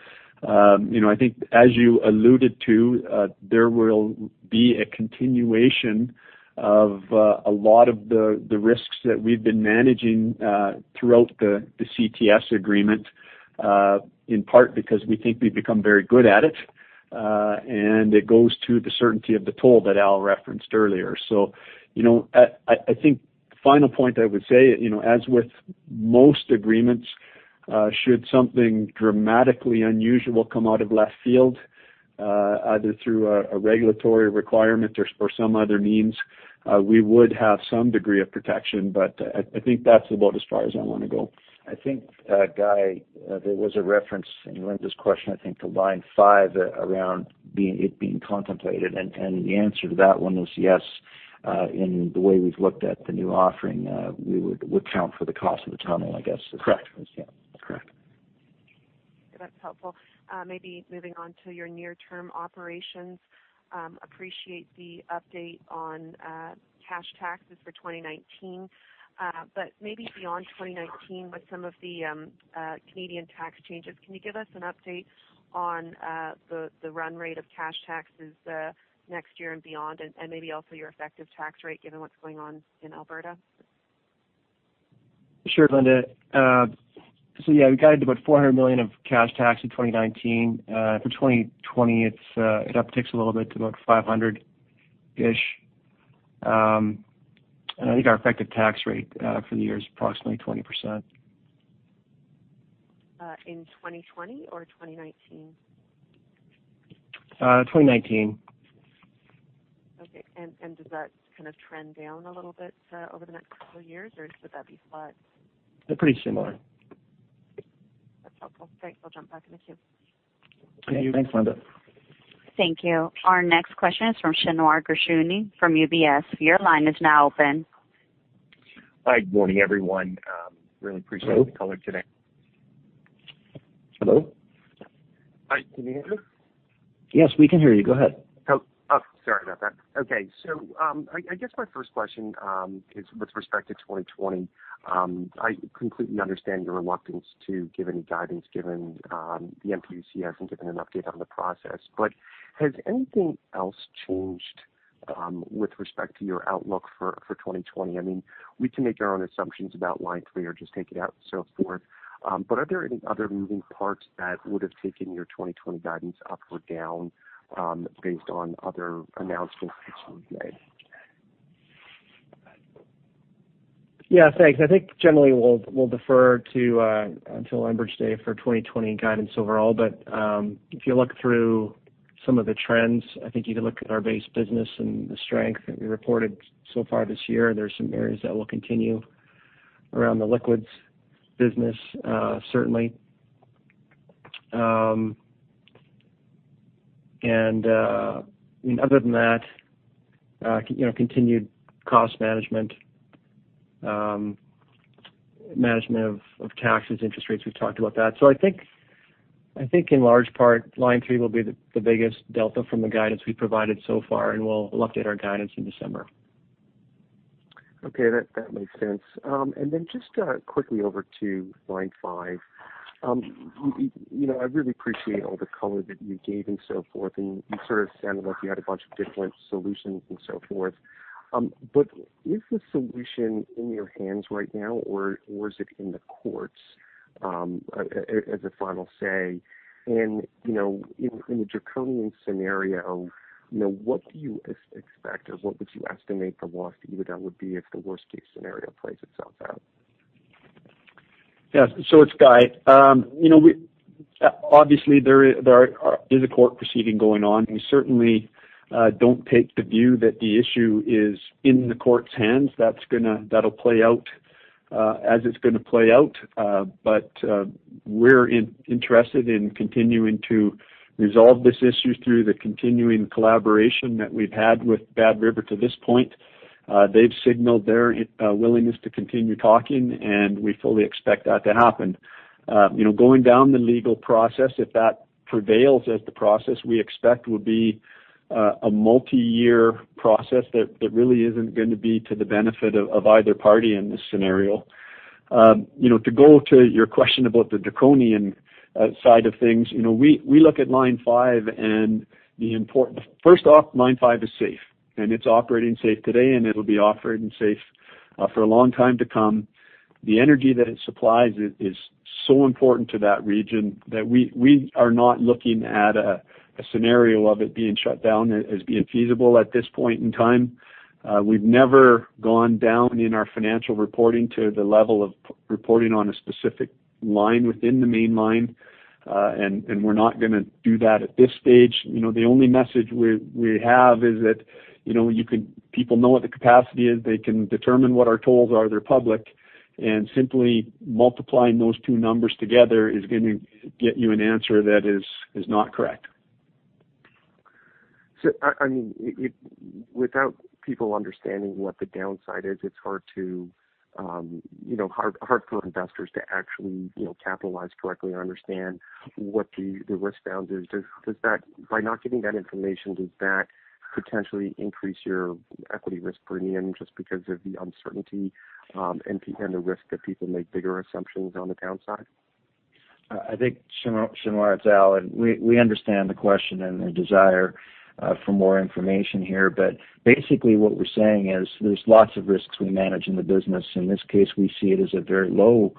I think as you alluded to, there will be a continuation of a lot of the risks that we've been managing throughout the CTS agreement, in part because we think we've become very good at it. It goes to the certainty of the toll that Al referenced earlier. I think final point I would say, as with most agreements, should something dramatically unusual come out of left field, either through a regulatory requirement or some other means, we would have some degree of protection. I think that's about as far as I want to go. I think, Guy, there was a reference in Linda's question, I think, to Line 5 around it being contemplated. The answer to that one was yes. In the way we've looked at the new offering, we would count for the cost of the tunnel, I guess. Correct. Yeah. That's correct. That's helpful. Moving on to your near-term operations. Appreciate the update on cash taxes for 2019. Maybe beyond 2019 with some of the Canadian tax changes, can you give us an update on the run rate of cash taxes next year and beyond and maybe also your effective tax rate, given what's going on in Alberta? Sure, Linda. Yeah, we guided about 400 million of cash tax in 2019. For 2020, it upticks a little bit to about 500 million-ish. I think our effective tax rate for the year is approximately 20%. In 2020 or 2019? 2019. Okay. Does that trend down a little bit over the next couple of years, or would that be flat? Pretty similar. That's helpful. Great. We'll jump back in the queue. Thank you. Thanks, Linda. Thank you. Our next question is from Shneur Gershuni from UBS. Your line is now open. Hi. Good morning, everyone. Hello? the color today. Hello? Hi, can you hear me? Yes, we can hear you. Go ahead. Oh, sorry about that. Okay. I guess my first question is with respect to 2020. I completely understand your reluctance to give any guidance given the MPUC hasn't given an update on the process. Has anything else changed with respect to your outlook for 2020? We can make our own assumptions about Line 3 or just take it out and so forth. Are there any other moving parts that would have taken your 2020 guidance up or down based on other announcements that you've made? Yeah. Thanks. I think generally, we'll defer until Enbridge Day for 2020 guidance overall. If you look through some of the trends, I think you can look at our base business and the strength that we reported so far this year. There's some areas that will continue around the liquids business, certainly. Other than that, continued cost management. Management of taxes, interest rates, we've talked about that. I think in large part, Line 3 will be the biggest delta from the guidance we've provided so far, and we'll update our guidance in December. Okay. That makes sense. Then just quickly over to Line 5. I really appreciate all the color that you gave and so forth, and you sort of sounded like you had a bunch of different solutions and so forth. Is the solution in your hands right now, or is it in the courts as a final say? In a draconian scenario, what do you expect, or what would you estimate the loss either that would be if the worst-case scenario plays itself out? Yeah. It's Guy. Obviously, there is a court proceeding going on. We certainly don't take the view that the issue is in the court's hands. That'll play out as it's going to play out. We're interested in continuing to resolve this issue through the continuing collaboration that we've had with Bad River to this point. They've signaled their willingness to continue talking, and we fully expect that to happen. Going down the legal process, if that prevails as the process we expect, would be a multi-year process that really isn't going to be to the benefit of either party in this scenario. To go to your question about the draconian side of things, we look at Line 5 and first off, Line 5 is safe, and it's operating safe today, and it'll be operating safe for a long time to come. The energy that it supplies is so important to that region that we are not looking at a scenario of it being shut down as being feasible at this point in time. We've never gone down in our financial reporting to the level of reporting on a specific line within the Mainline. We're not going to do that at this stage. The only message we have is that people know what the capacity is. They can determine what our tolls are, they're public, and simply multiplying those two numbers together is going to get you an answer that is not correct. Without people understanding what the downside is, it's hard for investors to actually capitalize correctly or understand what the risk down is. By not getting that information, does that potentially increase your equity risk premium just because of the uncertainty, and the risk that people make bigger assumptions on the downside? I think, Shneur, it's Al. We understand the question and the desire for more information here, basically what we're saying is there's lots of risks we manage in the business. In this case, we see it as a very low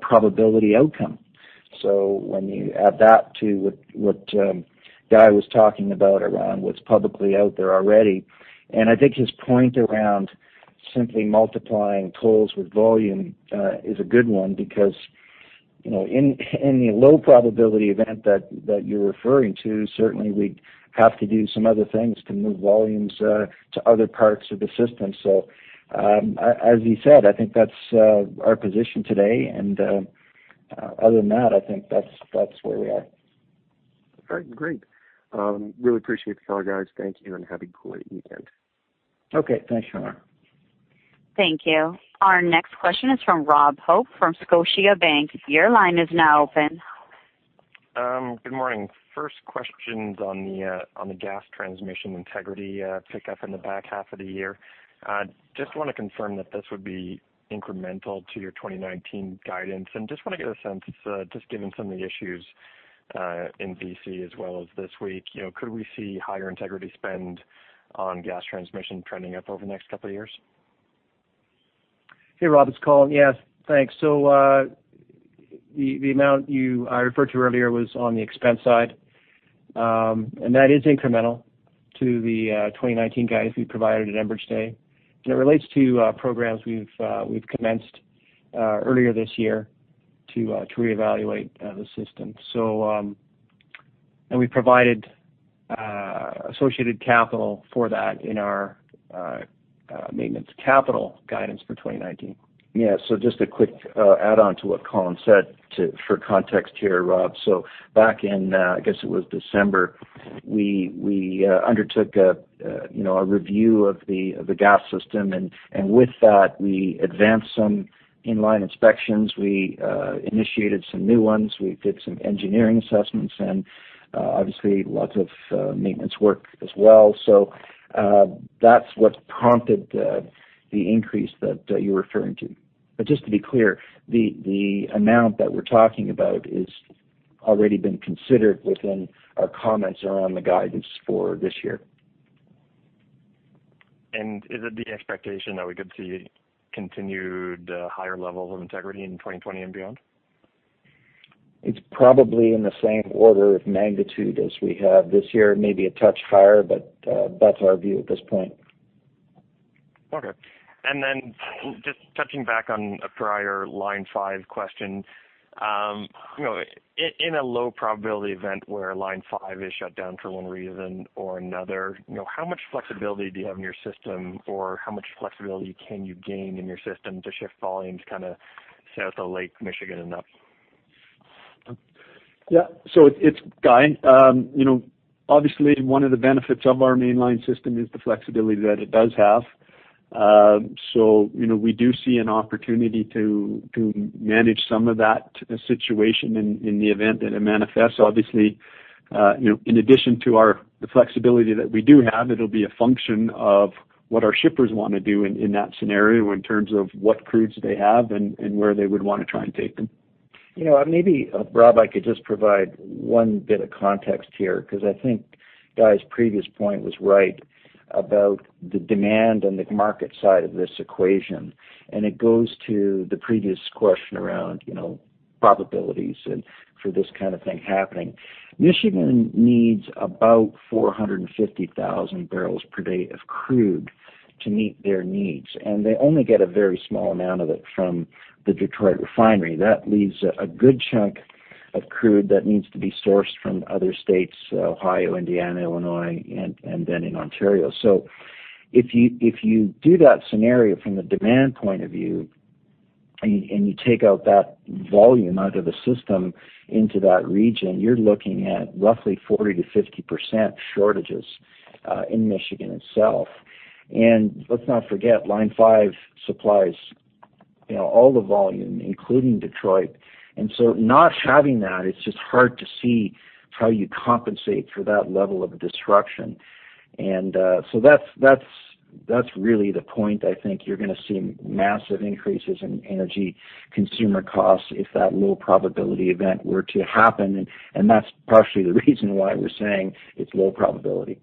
probability outcome. When you add that to what Guy was talking about around what's publicly out there already, and I think his point around simply multiplying tolls with volume is a good one because in any low probability event that you're referring to, certainly we'd have to do some other things to move volumes to other parts of the system. As he said, I think that's our position today, and other than that, I think that's where we are. All right, great. Really appreciate the call, guys. Thank you, and have a great weekend. Okay. Thanks, Shneur. Thank you. Our next question is from Robert Hope from Scotiabank. Your line is now open. Good morning. First question's on the gas transmission integrity pick-up in the back half of the year. Just want to confirm that this would be incremental to your 2019 guidance. Just want to get a sense, just given some of the issues in D.C. as well as this week, could we see higher integrity spend on gas transmission trending up over the next couple of years? Hey, Rob, it's Colin. Yeah. Thanks. The amount I referred to earlier was on the expense side, and that is incremental to the 2019 guidance we provided at Enbridge Day, and it relates to programs we've commenced earlier this year to reevaluate the system. We provided associated capital for that in our maintenance capital guidance for 2019. Yeah. Just a quick add-on to what Colin said to for context here, Rob. Back in, I guess it was December, we undertook a review of the gas system, and with that, we advanced some in-line inspections. We initiated some new ones. We did some engineering assessments, and obviously lots of maintenance work as well. That's what prompted the increase that you're referring to. Just to be clear, the amount that we're talking about is already been considered within our comments around the guidance for this year. Is it the expectation that we could see continued higher levels of integrity in 2020 and beyond? It's probably in the same order of magnitude as we have this year. Maybe a touch higher, but that's our view at this point. Okay. Just touching back on a prior Line 5 question. In a low probability event where Line 5 is shut down for one reason or another, how much flexibility do you have in your system, or how much flexibility can you gain in your system to shift volumes south of Lake Michigan and up? It's Guy. Obviously, one of the benefits of our Mainline system is the flexibility that it does have. We do see an opportunity to manage some of that situation in the event that it manifests. Obviously, in addition to the flexibility that we do have, it'll be a function of what our shippers want to do in that scenario in terms of what crudes they have and where they would want to try and take them. Maybe, Rob, I could just provide one bit of context here because I think Guy's previous point was right about the demand and the market side of this equation. It goes to the previous question around probabilities for this kind of thing happening. Michigan needs about 450,000 barrels per day of crude to meet their needs. They only get a very small amount of it from the Detroit refinery. That leaves a good chunk of crude that needs to be sourced from other states, Ohio, Indiana, Illinois, and then in Ontario. If you do that scenario from the demand point of view, and you take out that volume out of the system into that region, you're looking at roughly 40%-50% shortages in Michigan itself. Let's not forget, Line 5 supplies all the volume, including Detroit. Not having that, it's just hard to see how you compensate for that level of disruption. That's really the point. I think you're going to see massive increases in energy consumer costs if that low probability event were to happen, and that's partially the reason why we're saying it's low probability.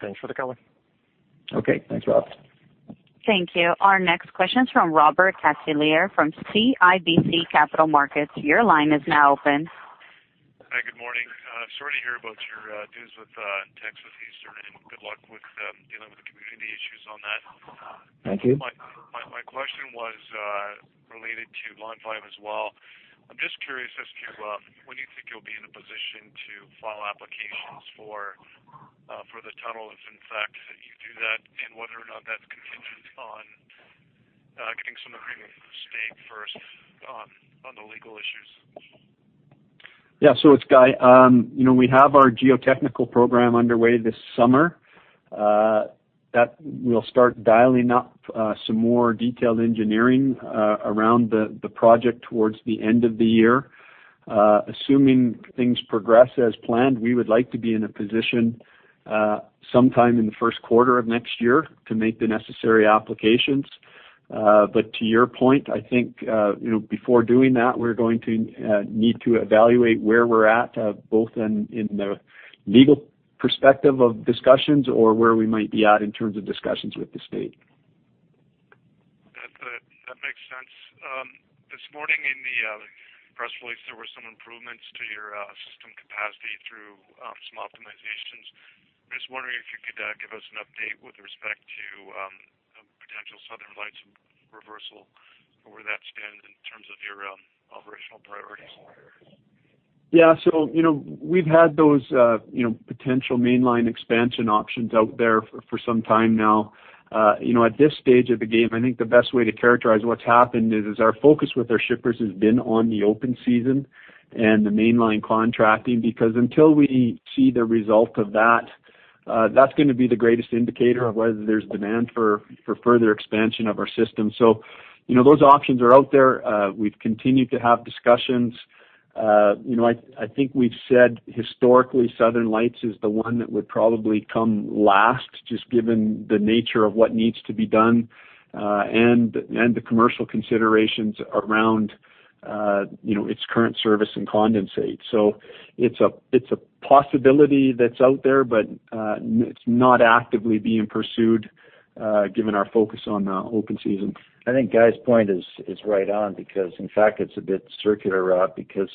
Thanks for the color. Okay. Thanks, Rob. Thank you. Our next question's from Robert Catellier from CIBC Capital Markets. Your line is now open. Hi, good morning. Sorry to hear about your dues with Texas Eastern. Good luck with dealing with the community issues on that. Thank you. My question was related to Line 5 as well. I'm just curious as to when you think you'll be in a position to file applications for the tunnel if, in fact, you do that, and whether or not that's contingent on getting some agreement from the state first on the legal issues. Yeah. It's Guy. We have our geotechnical program underway this summer. We'll start dialing up some more detailed engineering around the project towards the end of the year. Assuming things progress as planned, we would like to be in a position sometime in the first quarter of next year to make the necessary applications. To your point, I think, before doing that, we're going to need to evaluate where we're at, both in the legal perspective of discussions or where we might be at in terms of discussions with the state. That makes sense. This morning in the press release, there were some improvements to your system capacity through some optimizations. I am just wondering if you could give us an update with respect to potential Southern Lights reversal and where that stands in terms of your operational priorities. Yeah. We've had those potential Mainline expansion options out there for some time now. At this stage of the game, I think the best way to characterize what's happened is our focus with our shippers has been on the open season and the Mainline contracting, because until we see the result of that's going to be the greatest indicator of whether there's demand for further expansion of our system. Those options are out there. We've continued to have discussions. I think we've said historically, Southern Lights is the one that would probably come last, just given the nature of what needs to be done, and the commercial considerations around its current service and condensate. It's a possibility that's out there, but it's not actively being pursued, given our focus on the open season. I think Guy's point is right on because, in fact, it's a bit circular, Rob, because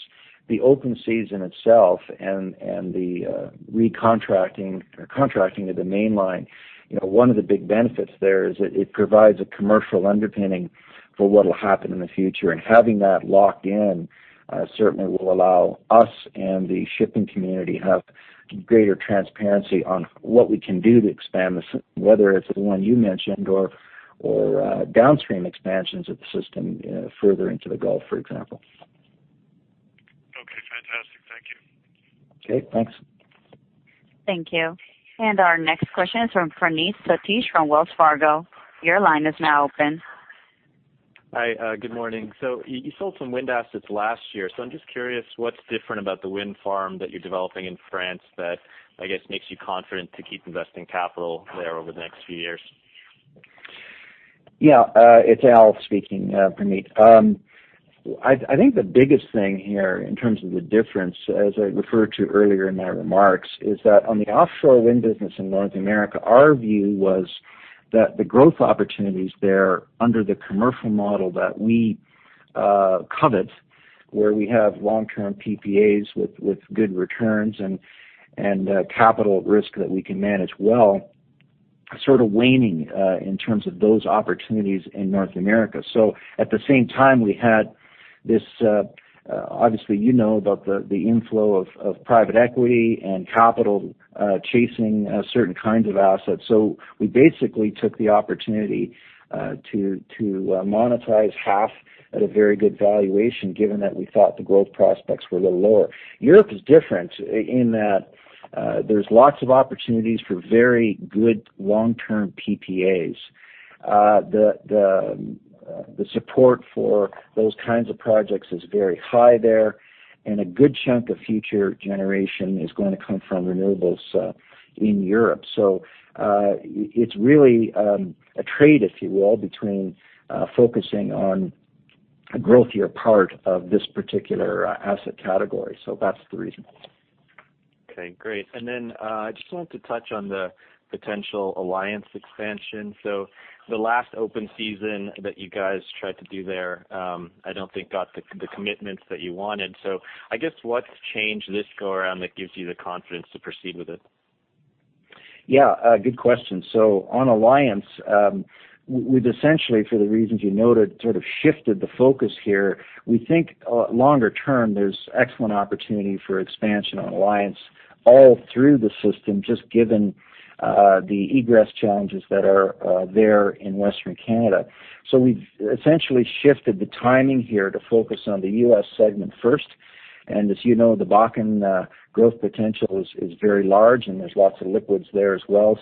the open season itself and the recontracting or contracting of the Mainline, one of the big benefits there is that it provides a commercial underpinning for what'll happen in the future. Having that locked in, certainly will allow us and the shipping community have greater transparency on what we can do to expand, whether it's the one you mentioned or downstream expansions of the system further into the Gulf, for example. Okay. Fantastic. Thank you. Okay. Thanks. Thank you. Our next question is from Praneeth Satish from Wells Fargo. Your line is now open. Hi. Good morning. You sold some wind assets last year, so I'm just curious what's different about the wind farm that you're developing in France that, I guess, makes you confident to keep investing capital there over the next few years? It's Al speaking, Praneeth. I think the biggest thing here in terms of the difference, as I referred to earlier in my remarks, is that on the offshore wind business in North America, our view was that the growth opportunities there under the commercial model that we covet, where we have long-term PPAs with good returns and capital at risk that we can manage well, sort of waning in terms of those opportunities in North America. At the same time, we had this, obviously, you know about the inflow of private equity and capital chasing certain kinds of assets. We basically took the opportunity to monetize half at a very good valuation, given that we thought the growth prospects were a little lower. Europe is different in that there's lots of opportunities for very good long-term PPAs. The support for those kinds of projects is very high there, and a good chunk of future generation is going to come from renewables in Europe. It's really a trade, if you will, between focusing on a growthier part of this particular asset category. That's the reason. Okay. Great. I just wanted to touch on the potential Alliance expansion. The last open season that you guys tried to do there, I don't think got the commitments that you wanted. I guess what's changed this go around that gives you the confidence to proceed with it? Yeah. Good question. On Alliance, we've essentially, for the reasons you noted, sort of shifted the focus here. We think longer term, there's excellent opportunity for expansion on Alliance all through the system, just given the egress challenges that are there in Western Canada. We've essentially shifted the timing here to focus on the U.S. segment first. As you know, the Bakken growth potential is very large and there's lots of liquids there as well.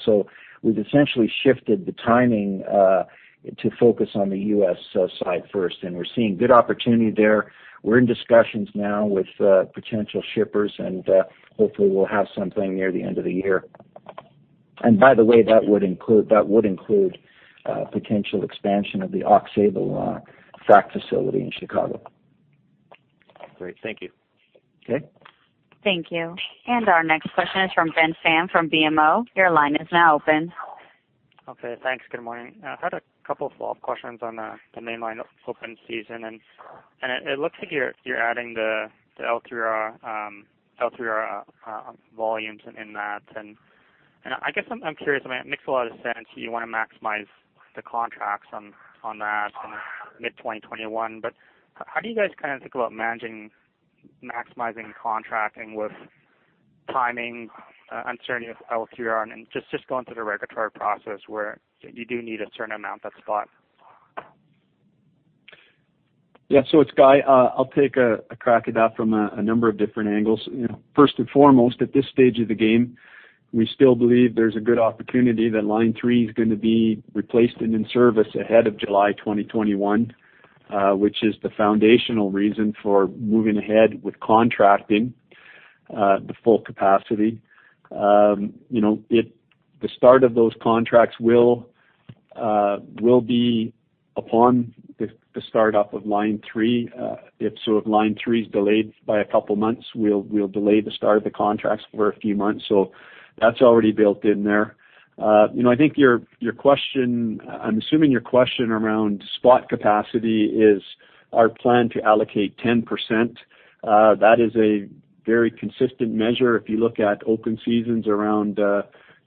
We've essentially shifted the timing to focus on the U.S. side first, and we're seeing good opportunity there. We're in discussions now with potential shippers and hopefully we'll have something near the end of the year. By the way, that would include potential expansion of the Aux Sable frac facility in Chicago. Great. Thank you. Okay. Thank you. Our next question is from Ben Pham from BMO. Your line is now open. Okay, thanks. Good morning. I had a couple of follow-up questions on the Mainline open season and it looks like you're adding the L3R volumes in that. I guess I'm curious, it makes a lot of sense, you want to maximize the contracts on that in mid-2021, how do you guys think about managing, maximizing contracting with timing, uncertainty of L3R and just going through the regulatory process where you do need a certain amount that's spot? Yeah. It's Guy. I'll take a crack at that from a number of different angles. First and foremost, at this stage of the game, we still believe there's a good opportunity that Line 3 is going to be replaced and in service ahead of July 2021, which is the foundational reason for moving ahead with contracting the full capacity. The start of those contracts will be upon the start-up of Line 3. If Line 3's delayed by a couple of months, we'll delay the start of the contracts for a few months. That's already built in there. I'm assuming your question around spot capacity is our plan to allocate 10%. That is a very consistent measure. If you look at open seasons around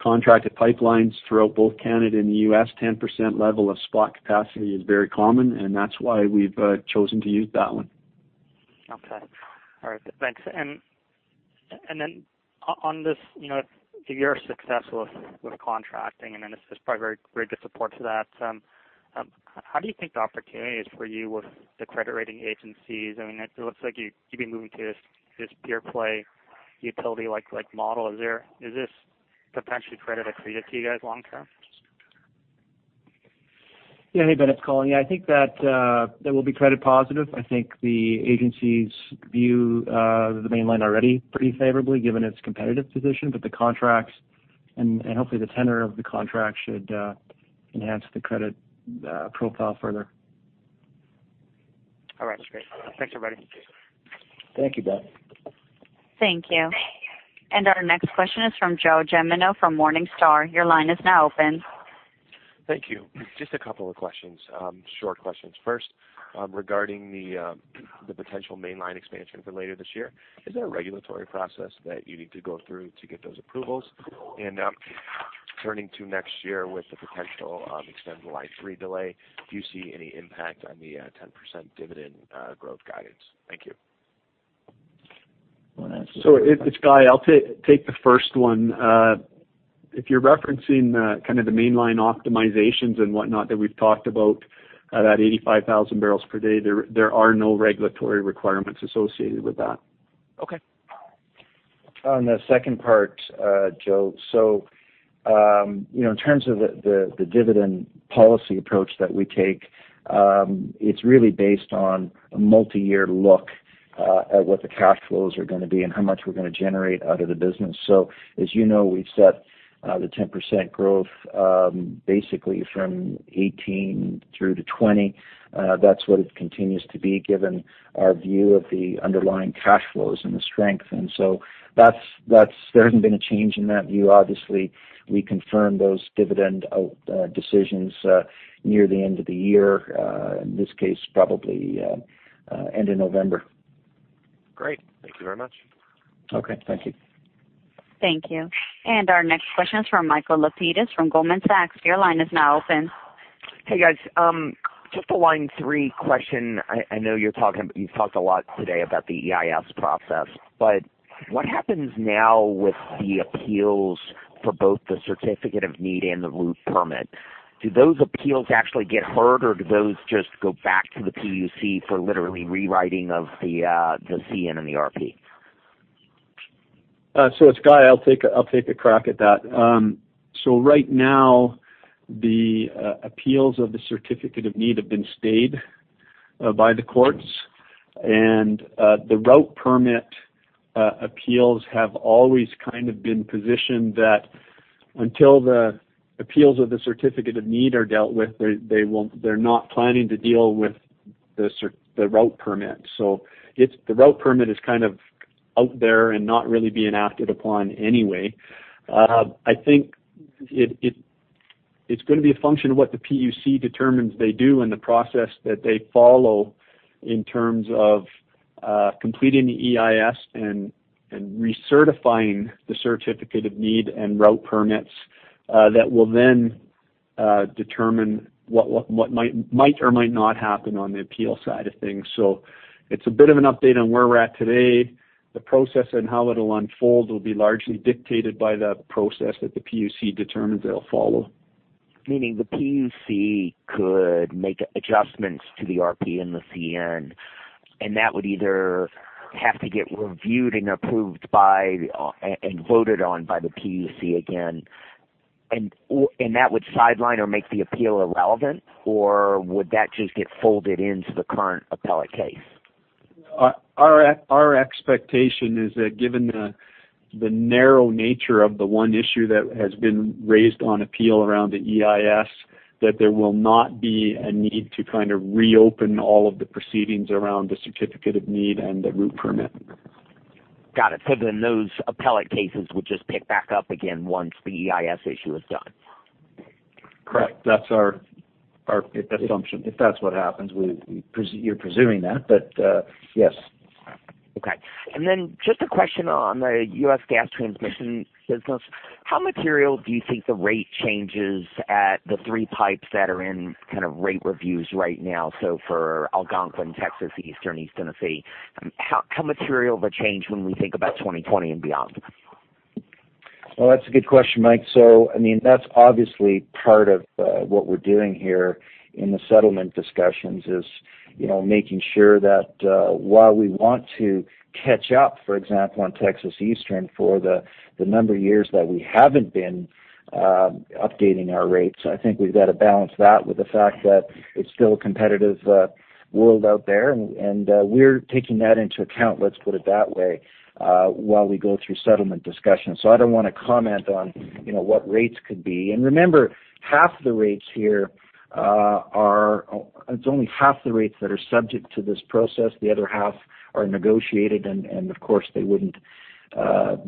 contracted pipelines throughout both Canada and the U.S., 10% level of spot capacity is very common, and that's why we've chosen to use that one. Okay. All right, thanks. On this, if you're successful with contracting, and then this is probably very rigid support to that, how do you think the opportunity is for you with the credit rating agencies? It looks like you've been moving to this pure play utility-like model. Is this potentially credit accretive to you guys long term? Yeah. Hey, Ben, it's Colin. Yeah, I think that will be credit positive. I think the agencies view the Mainline already pretty favorably given its competitive position, the contracts and hopefully the tenor of the contract should enhance the credit profile further. All right, great. Thanks, everybody. Thank you, Ben. Thank you. Our next question is from Joe Gemino from Morningstar. Your line is now open. Thank you. Just a couple of questions, short questions. First, regarding the potential Mainline expansion for later this year, is there a regulatory process that you need to go through to get those approvals? Turning to next year with the potential extended Line 3 delay, do you see any impact on the 10% dividend growth guidance? Thank you. Want to answer that one? It's Guy. I'll take the first one. If you're referencing the mainline optimizations and whatnot that we've talked about, that 85,000 barrels per day, there are no regulatory requirements associated with that. Okay. On the second part, Joe, in terms of the dividend policy approach that we take, it's really based on a multi-year look at what the cash flows are going to be and how much we're going to generate out of the business. As you know, we've set the 10% growth basically from 2018 through to 2020. That's what it continues to be given our view of the underlying cash flows and the strength, there hasn't been a change in that view. Obviously, we confirm those dividend decisions near the end of the year, in this case, probably end of November. Great. Thank you very much. Okay. Thank you. Thank you. Our next question is from Michael Lapides from Goldman Sachs. Your line is now open. Hey, guys. Just a Line 3 question. I know you've talked a lot today about the EIS process, but what happens now with the appeals for both the certificate of need and the route permit? Do those appeals actually get heard or do those just go back to the PUC for literally rewriting of the CN and the RP? It's Guy. I'll take a crack at that. Right now, the appeals of the certificate of need have been stayed by the courts and the route permit appeals have always kind of been positioned that until the appeals of the certificate of need are dealt with, they're not planning to deal with the route permit. The route permit is out there and not really being acted upon anyway. I think it's going to be a function of what the PUC determines they do and the process that they follow in terms of completing the EIS and recertifying the certificate of need and route permits that will then determine what might or might not happen on the appeal side of things. It's a bit of an update on where we're at today. The process and how it'll unfold will be largely dictated by the process that the PUC determines they'll follow. Meaning the PUC could make adjustments to the RP and the CN, and that would either have to get reviewed and approved by, and voted on by the PUC again, and that would sideline or make the appeal irrelevant or would that just get folded into the current appellate case? Our expectation is that given the narrow nature of the one issue that has been raised on appeal around the EIS, that there will not be a need to reopen all of the proceedings around the certificate of need and the route permit. Got it. Those appellate cases would just pick back up again once the EIS issue is done. Correct. That's our assumption. If that's what happens, you're presuming that, but, yes. Okay. Just a question on the U.S. gas transmission business, how material do you think the rate changes at the three pipes that are in rate reviews right now, so for Algonquin, Texas Eastern, East Tennessee, how material of a change when we think about 2020 and beyond? Well, that's a good question, Mike. That's obviously part of what we're doing here in the settlement discussions is making sure that, while we want to catch up, for example, on Texas Eastern for the number of years that we haven't been updating our rates. I think we've got to balance that with the fact that it's still a competitive world out there. We're taking that into account, let's put it that way, while we go through settlement discussions. I don't want to comment on what rates could be. Remember, it's only half the rates that are subject to this process. The other half are negotiated and of course they wouldn't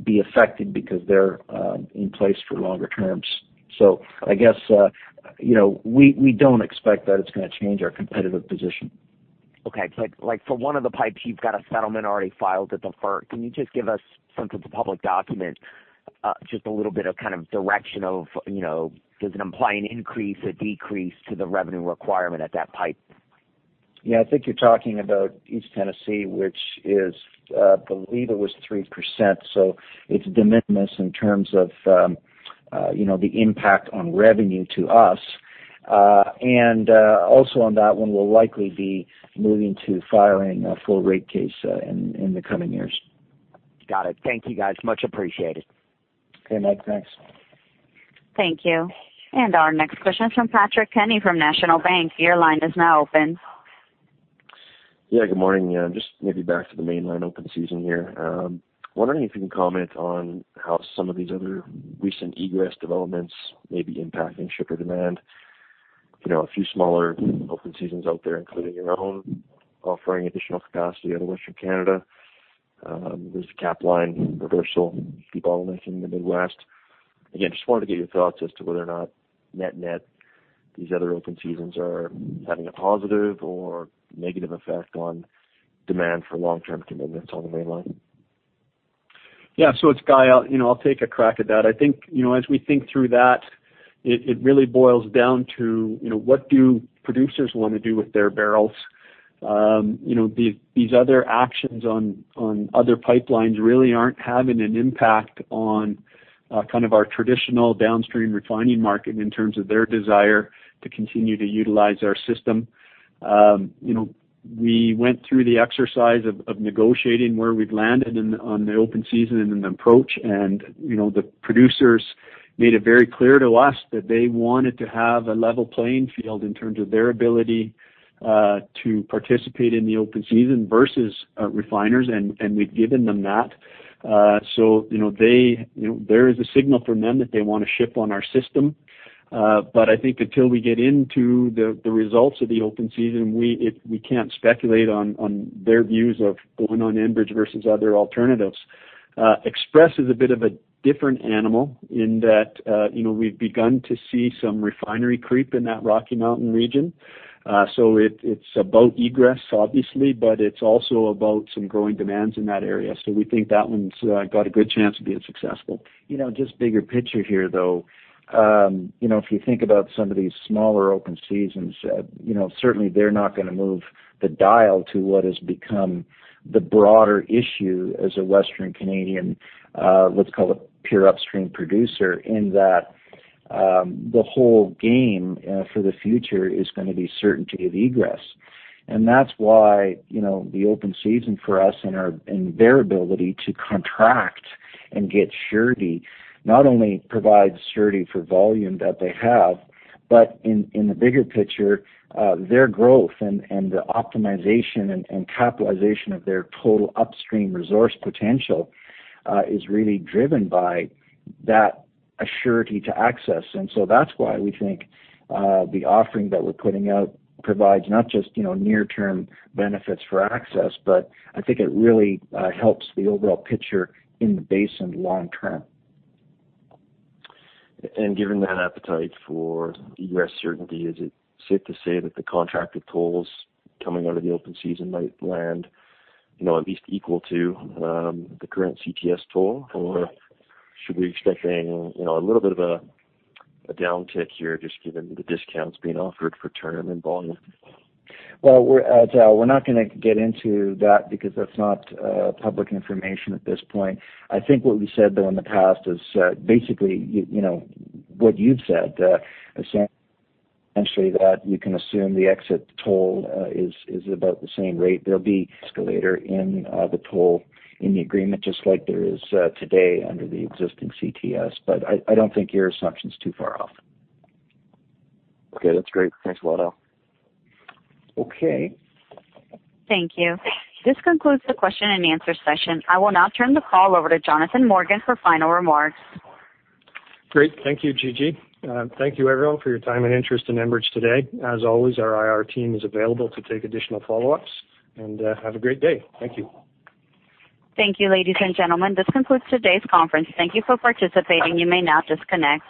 be affected because they're in place for longer terms. I guess, we don't expect that it's going to change our competitive position. Okay. Like, for one of the pipes, you've got a settlement already filed at the FERC. Can you just give us, since it's a public document, just a little bit of direction of, does it imply an increase or decrease to the revenue requirement at that pipe? Yeah, I think you're talking about East Tennessee, which is, I believe it was 3%. It's de minimis in terms of the impact on revenue to us. Also on that one, we'll likely be moving to filing a full rate case in the coming years. Got it. Thank you, guys. Much appreciated. Okay, Mike. Thanks. Thank you. Our next question is from Patrick Kenny from National Bank. Your line is now open. Yeah, good morning. Just maybe back to the Mainline open season here. I'm wondering if you can comment on how some of these other recent egress developments may be impacting shipper demand. A few smaller open seasons out there, including your own, offering additional capacity out of Western Canada. There's a Capline reversal development in the Midwest. Again, just wanted to get your thoughts as to whether or not net-net, these other open seasons are having a positive or negative effect on demand for long-term commitments on the Mainline. Yeah. It's Guy. I'll take a crack at that. I think, as we think through that, it really boils down to what do producers want to do with their barrels? These other actions on other pipelines really aren't having an impact on our traditional downstream refining market in terms of their desire to continue to utilize our system. We went through the exercise of negotiating where we've landed on the open season and an approach and the producers made it very clear to us that they wanted to have a level playing field in terms of their ability to participate in the open season versus refiners, and we've given them that. There is a signal from them that they want to ship on our system. I think until we get into the results of the open season, we can't speculate on their views of going on Enbridge versus other alternatives. Express is a bit of a different animal in that we've begun to see some refinery creep in that Rocky Mountain region. It's about egress obviously, but it's also about some growing demands in that area. We think that one's got a good chance of being successful. Just bigger picture here, though. If you think about some of these smaller open seasons, certainly they're not going to move the dial to what has become the broader issue as a Western Canadian, let's call it pure upstream producer, in that the whole game for the future is going to be certainty of egress. That's why the open season for us and their ability to contract and get surety, not only provides surety for volume that they have, but in the bigger picture, their growth and the optimization and capitalization of their total upstream resource potential, is really driven by that surety to access. That's why we think the offering that we're putting out provides not just near-term benefits for access, but I think it really helps the overall picture in the basin long-term. Given that appetite for egress certainty, is it safe to say that the contracted tolls coming out of the open season might land at least equal to the current CTS toll? Should we be expecting a little bit of a downtick here just given the discounts being offered for term and volume? Well, we're not going to get into that because that's not public information at this point. I think what we said, though, in the past is basically what you've said. Essentially that you can assume the exit toll is about the same rate. There'll be escalator in the toll in the agreement, just like there is today under the existing CTS. I don't think your assumption's too far off. Okay. That's great. Thanks a lot. Okay. Thank you. This concludes the question and answer session. I will now turn the call over to Jonathan Morgan for final remarks. Great. Thank you, Gigi. Thank you everyone for your time and interest in Enbridge today. Have a great day. Thank you. Thank you, ladies and gentlemen. This concludes today's conference. Thank you for participating. You may now disconnect.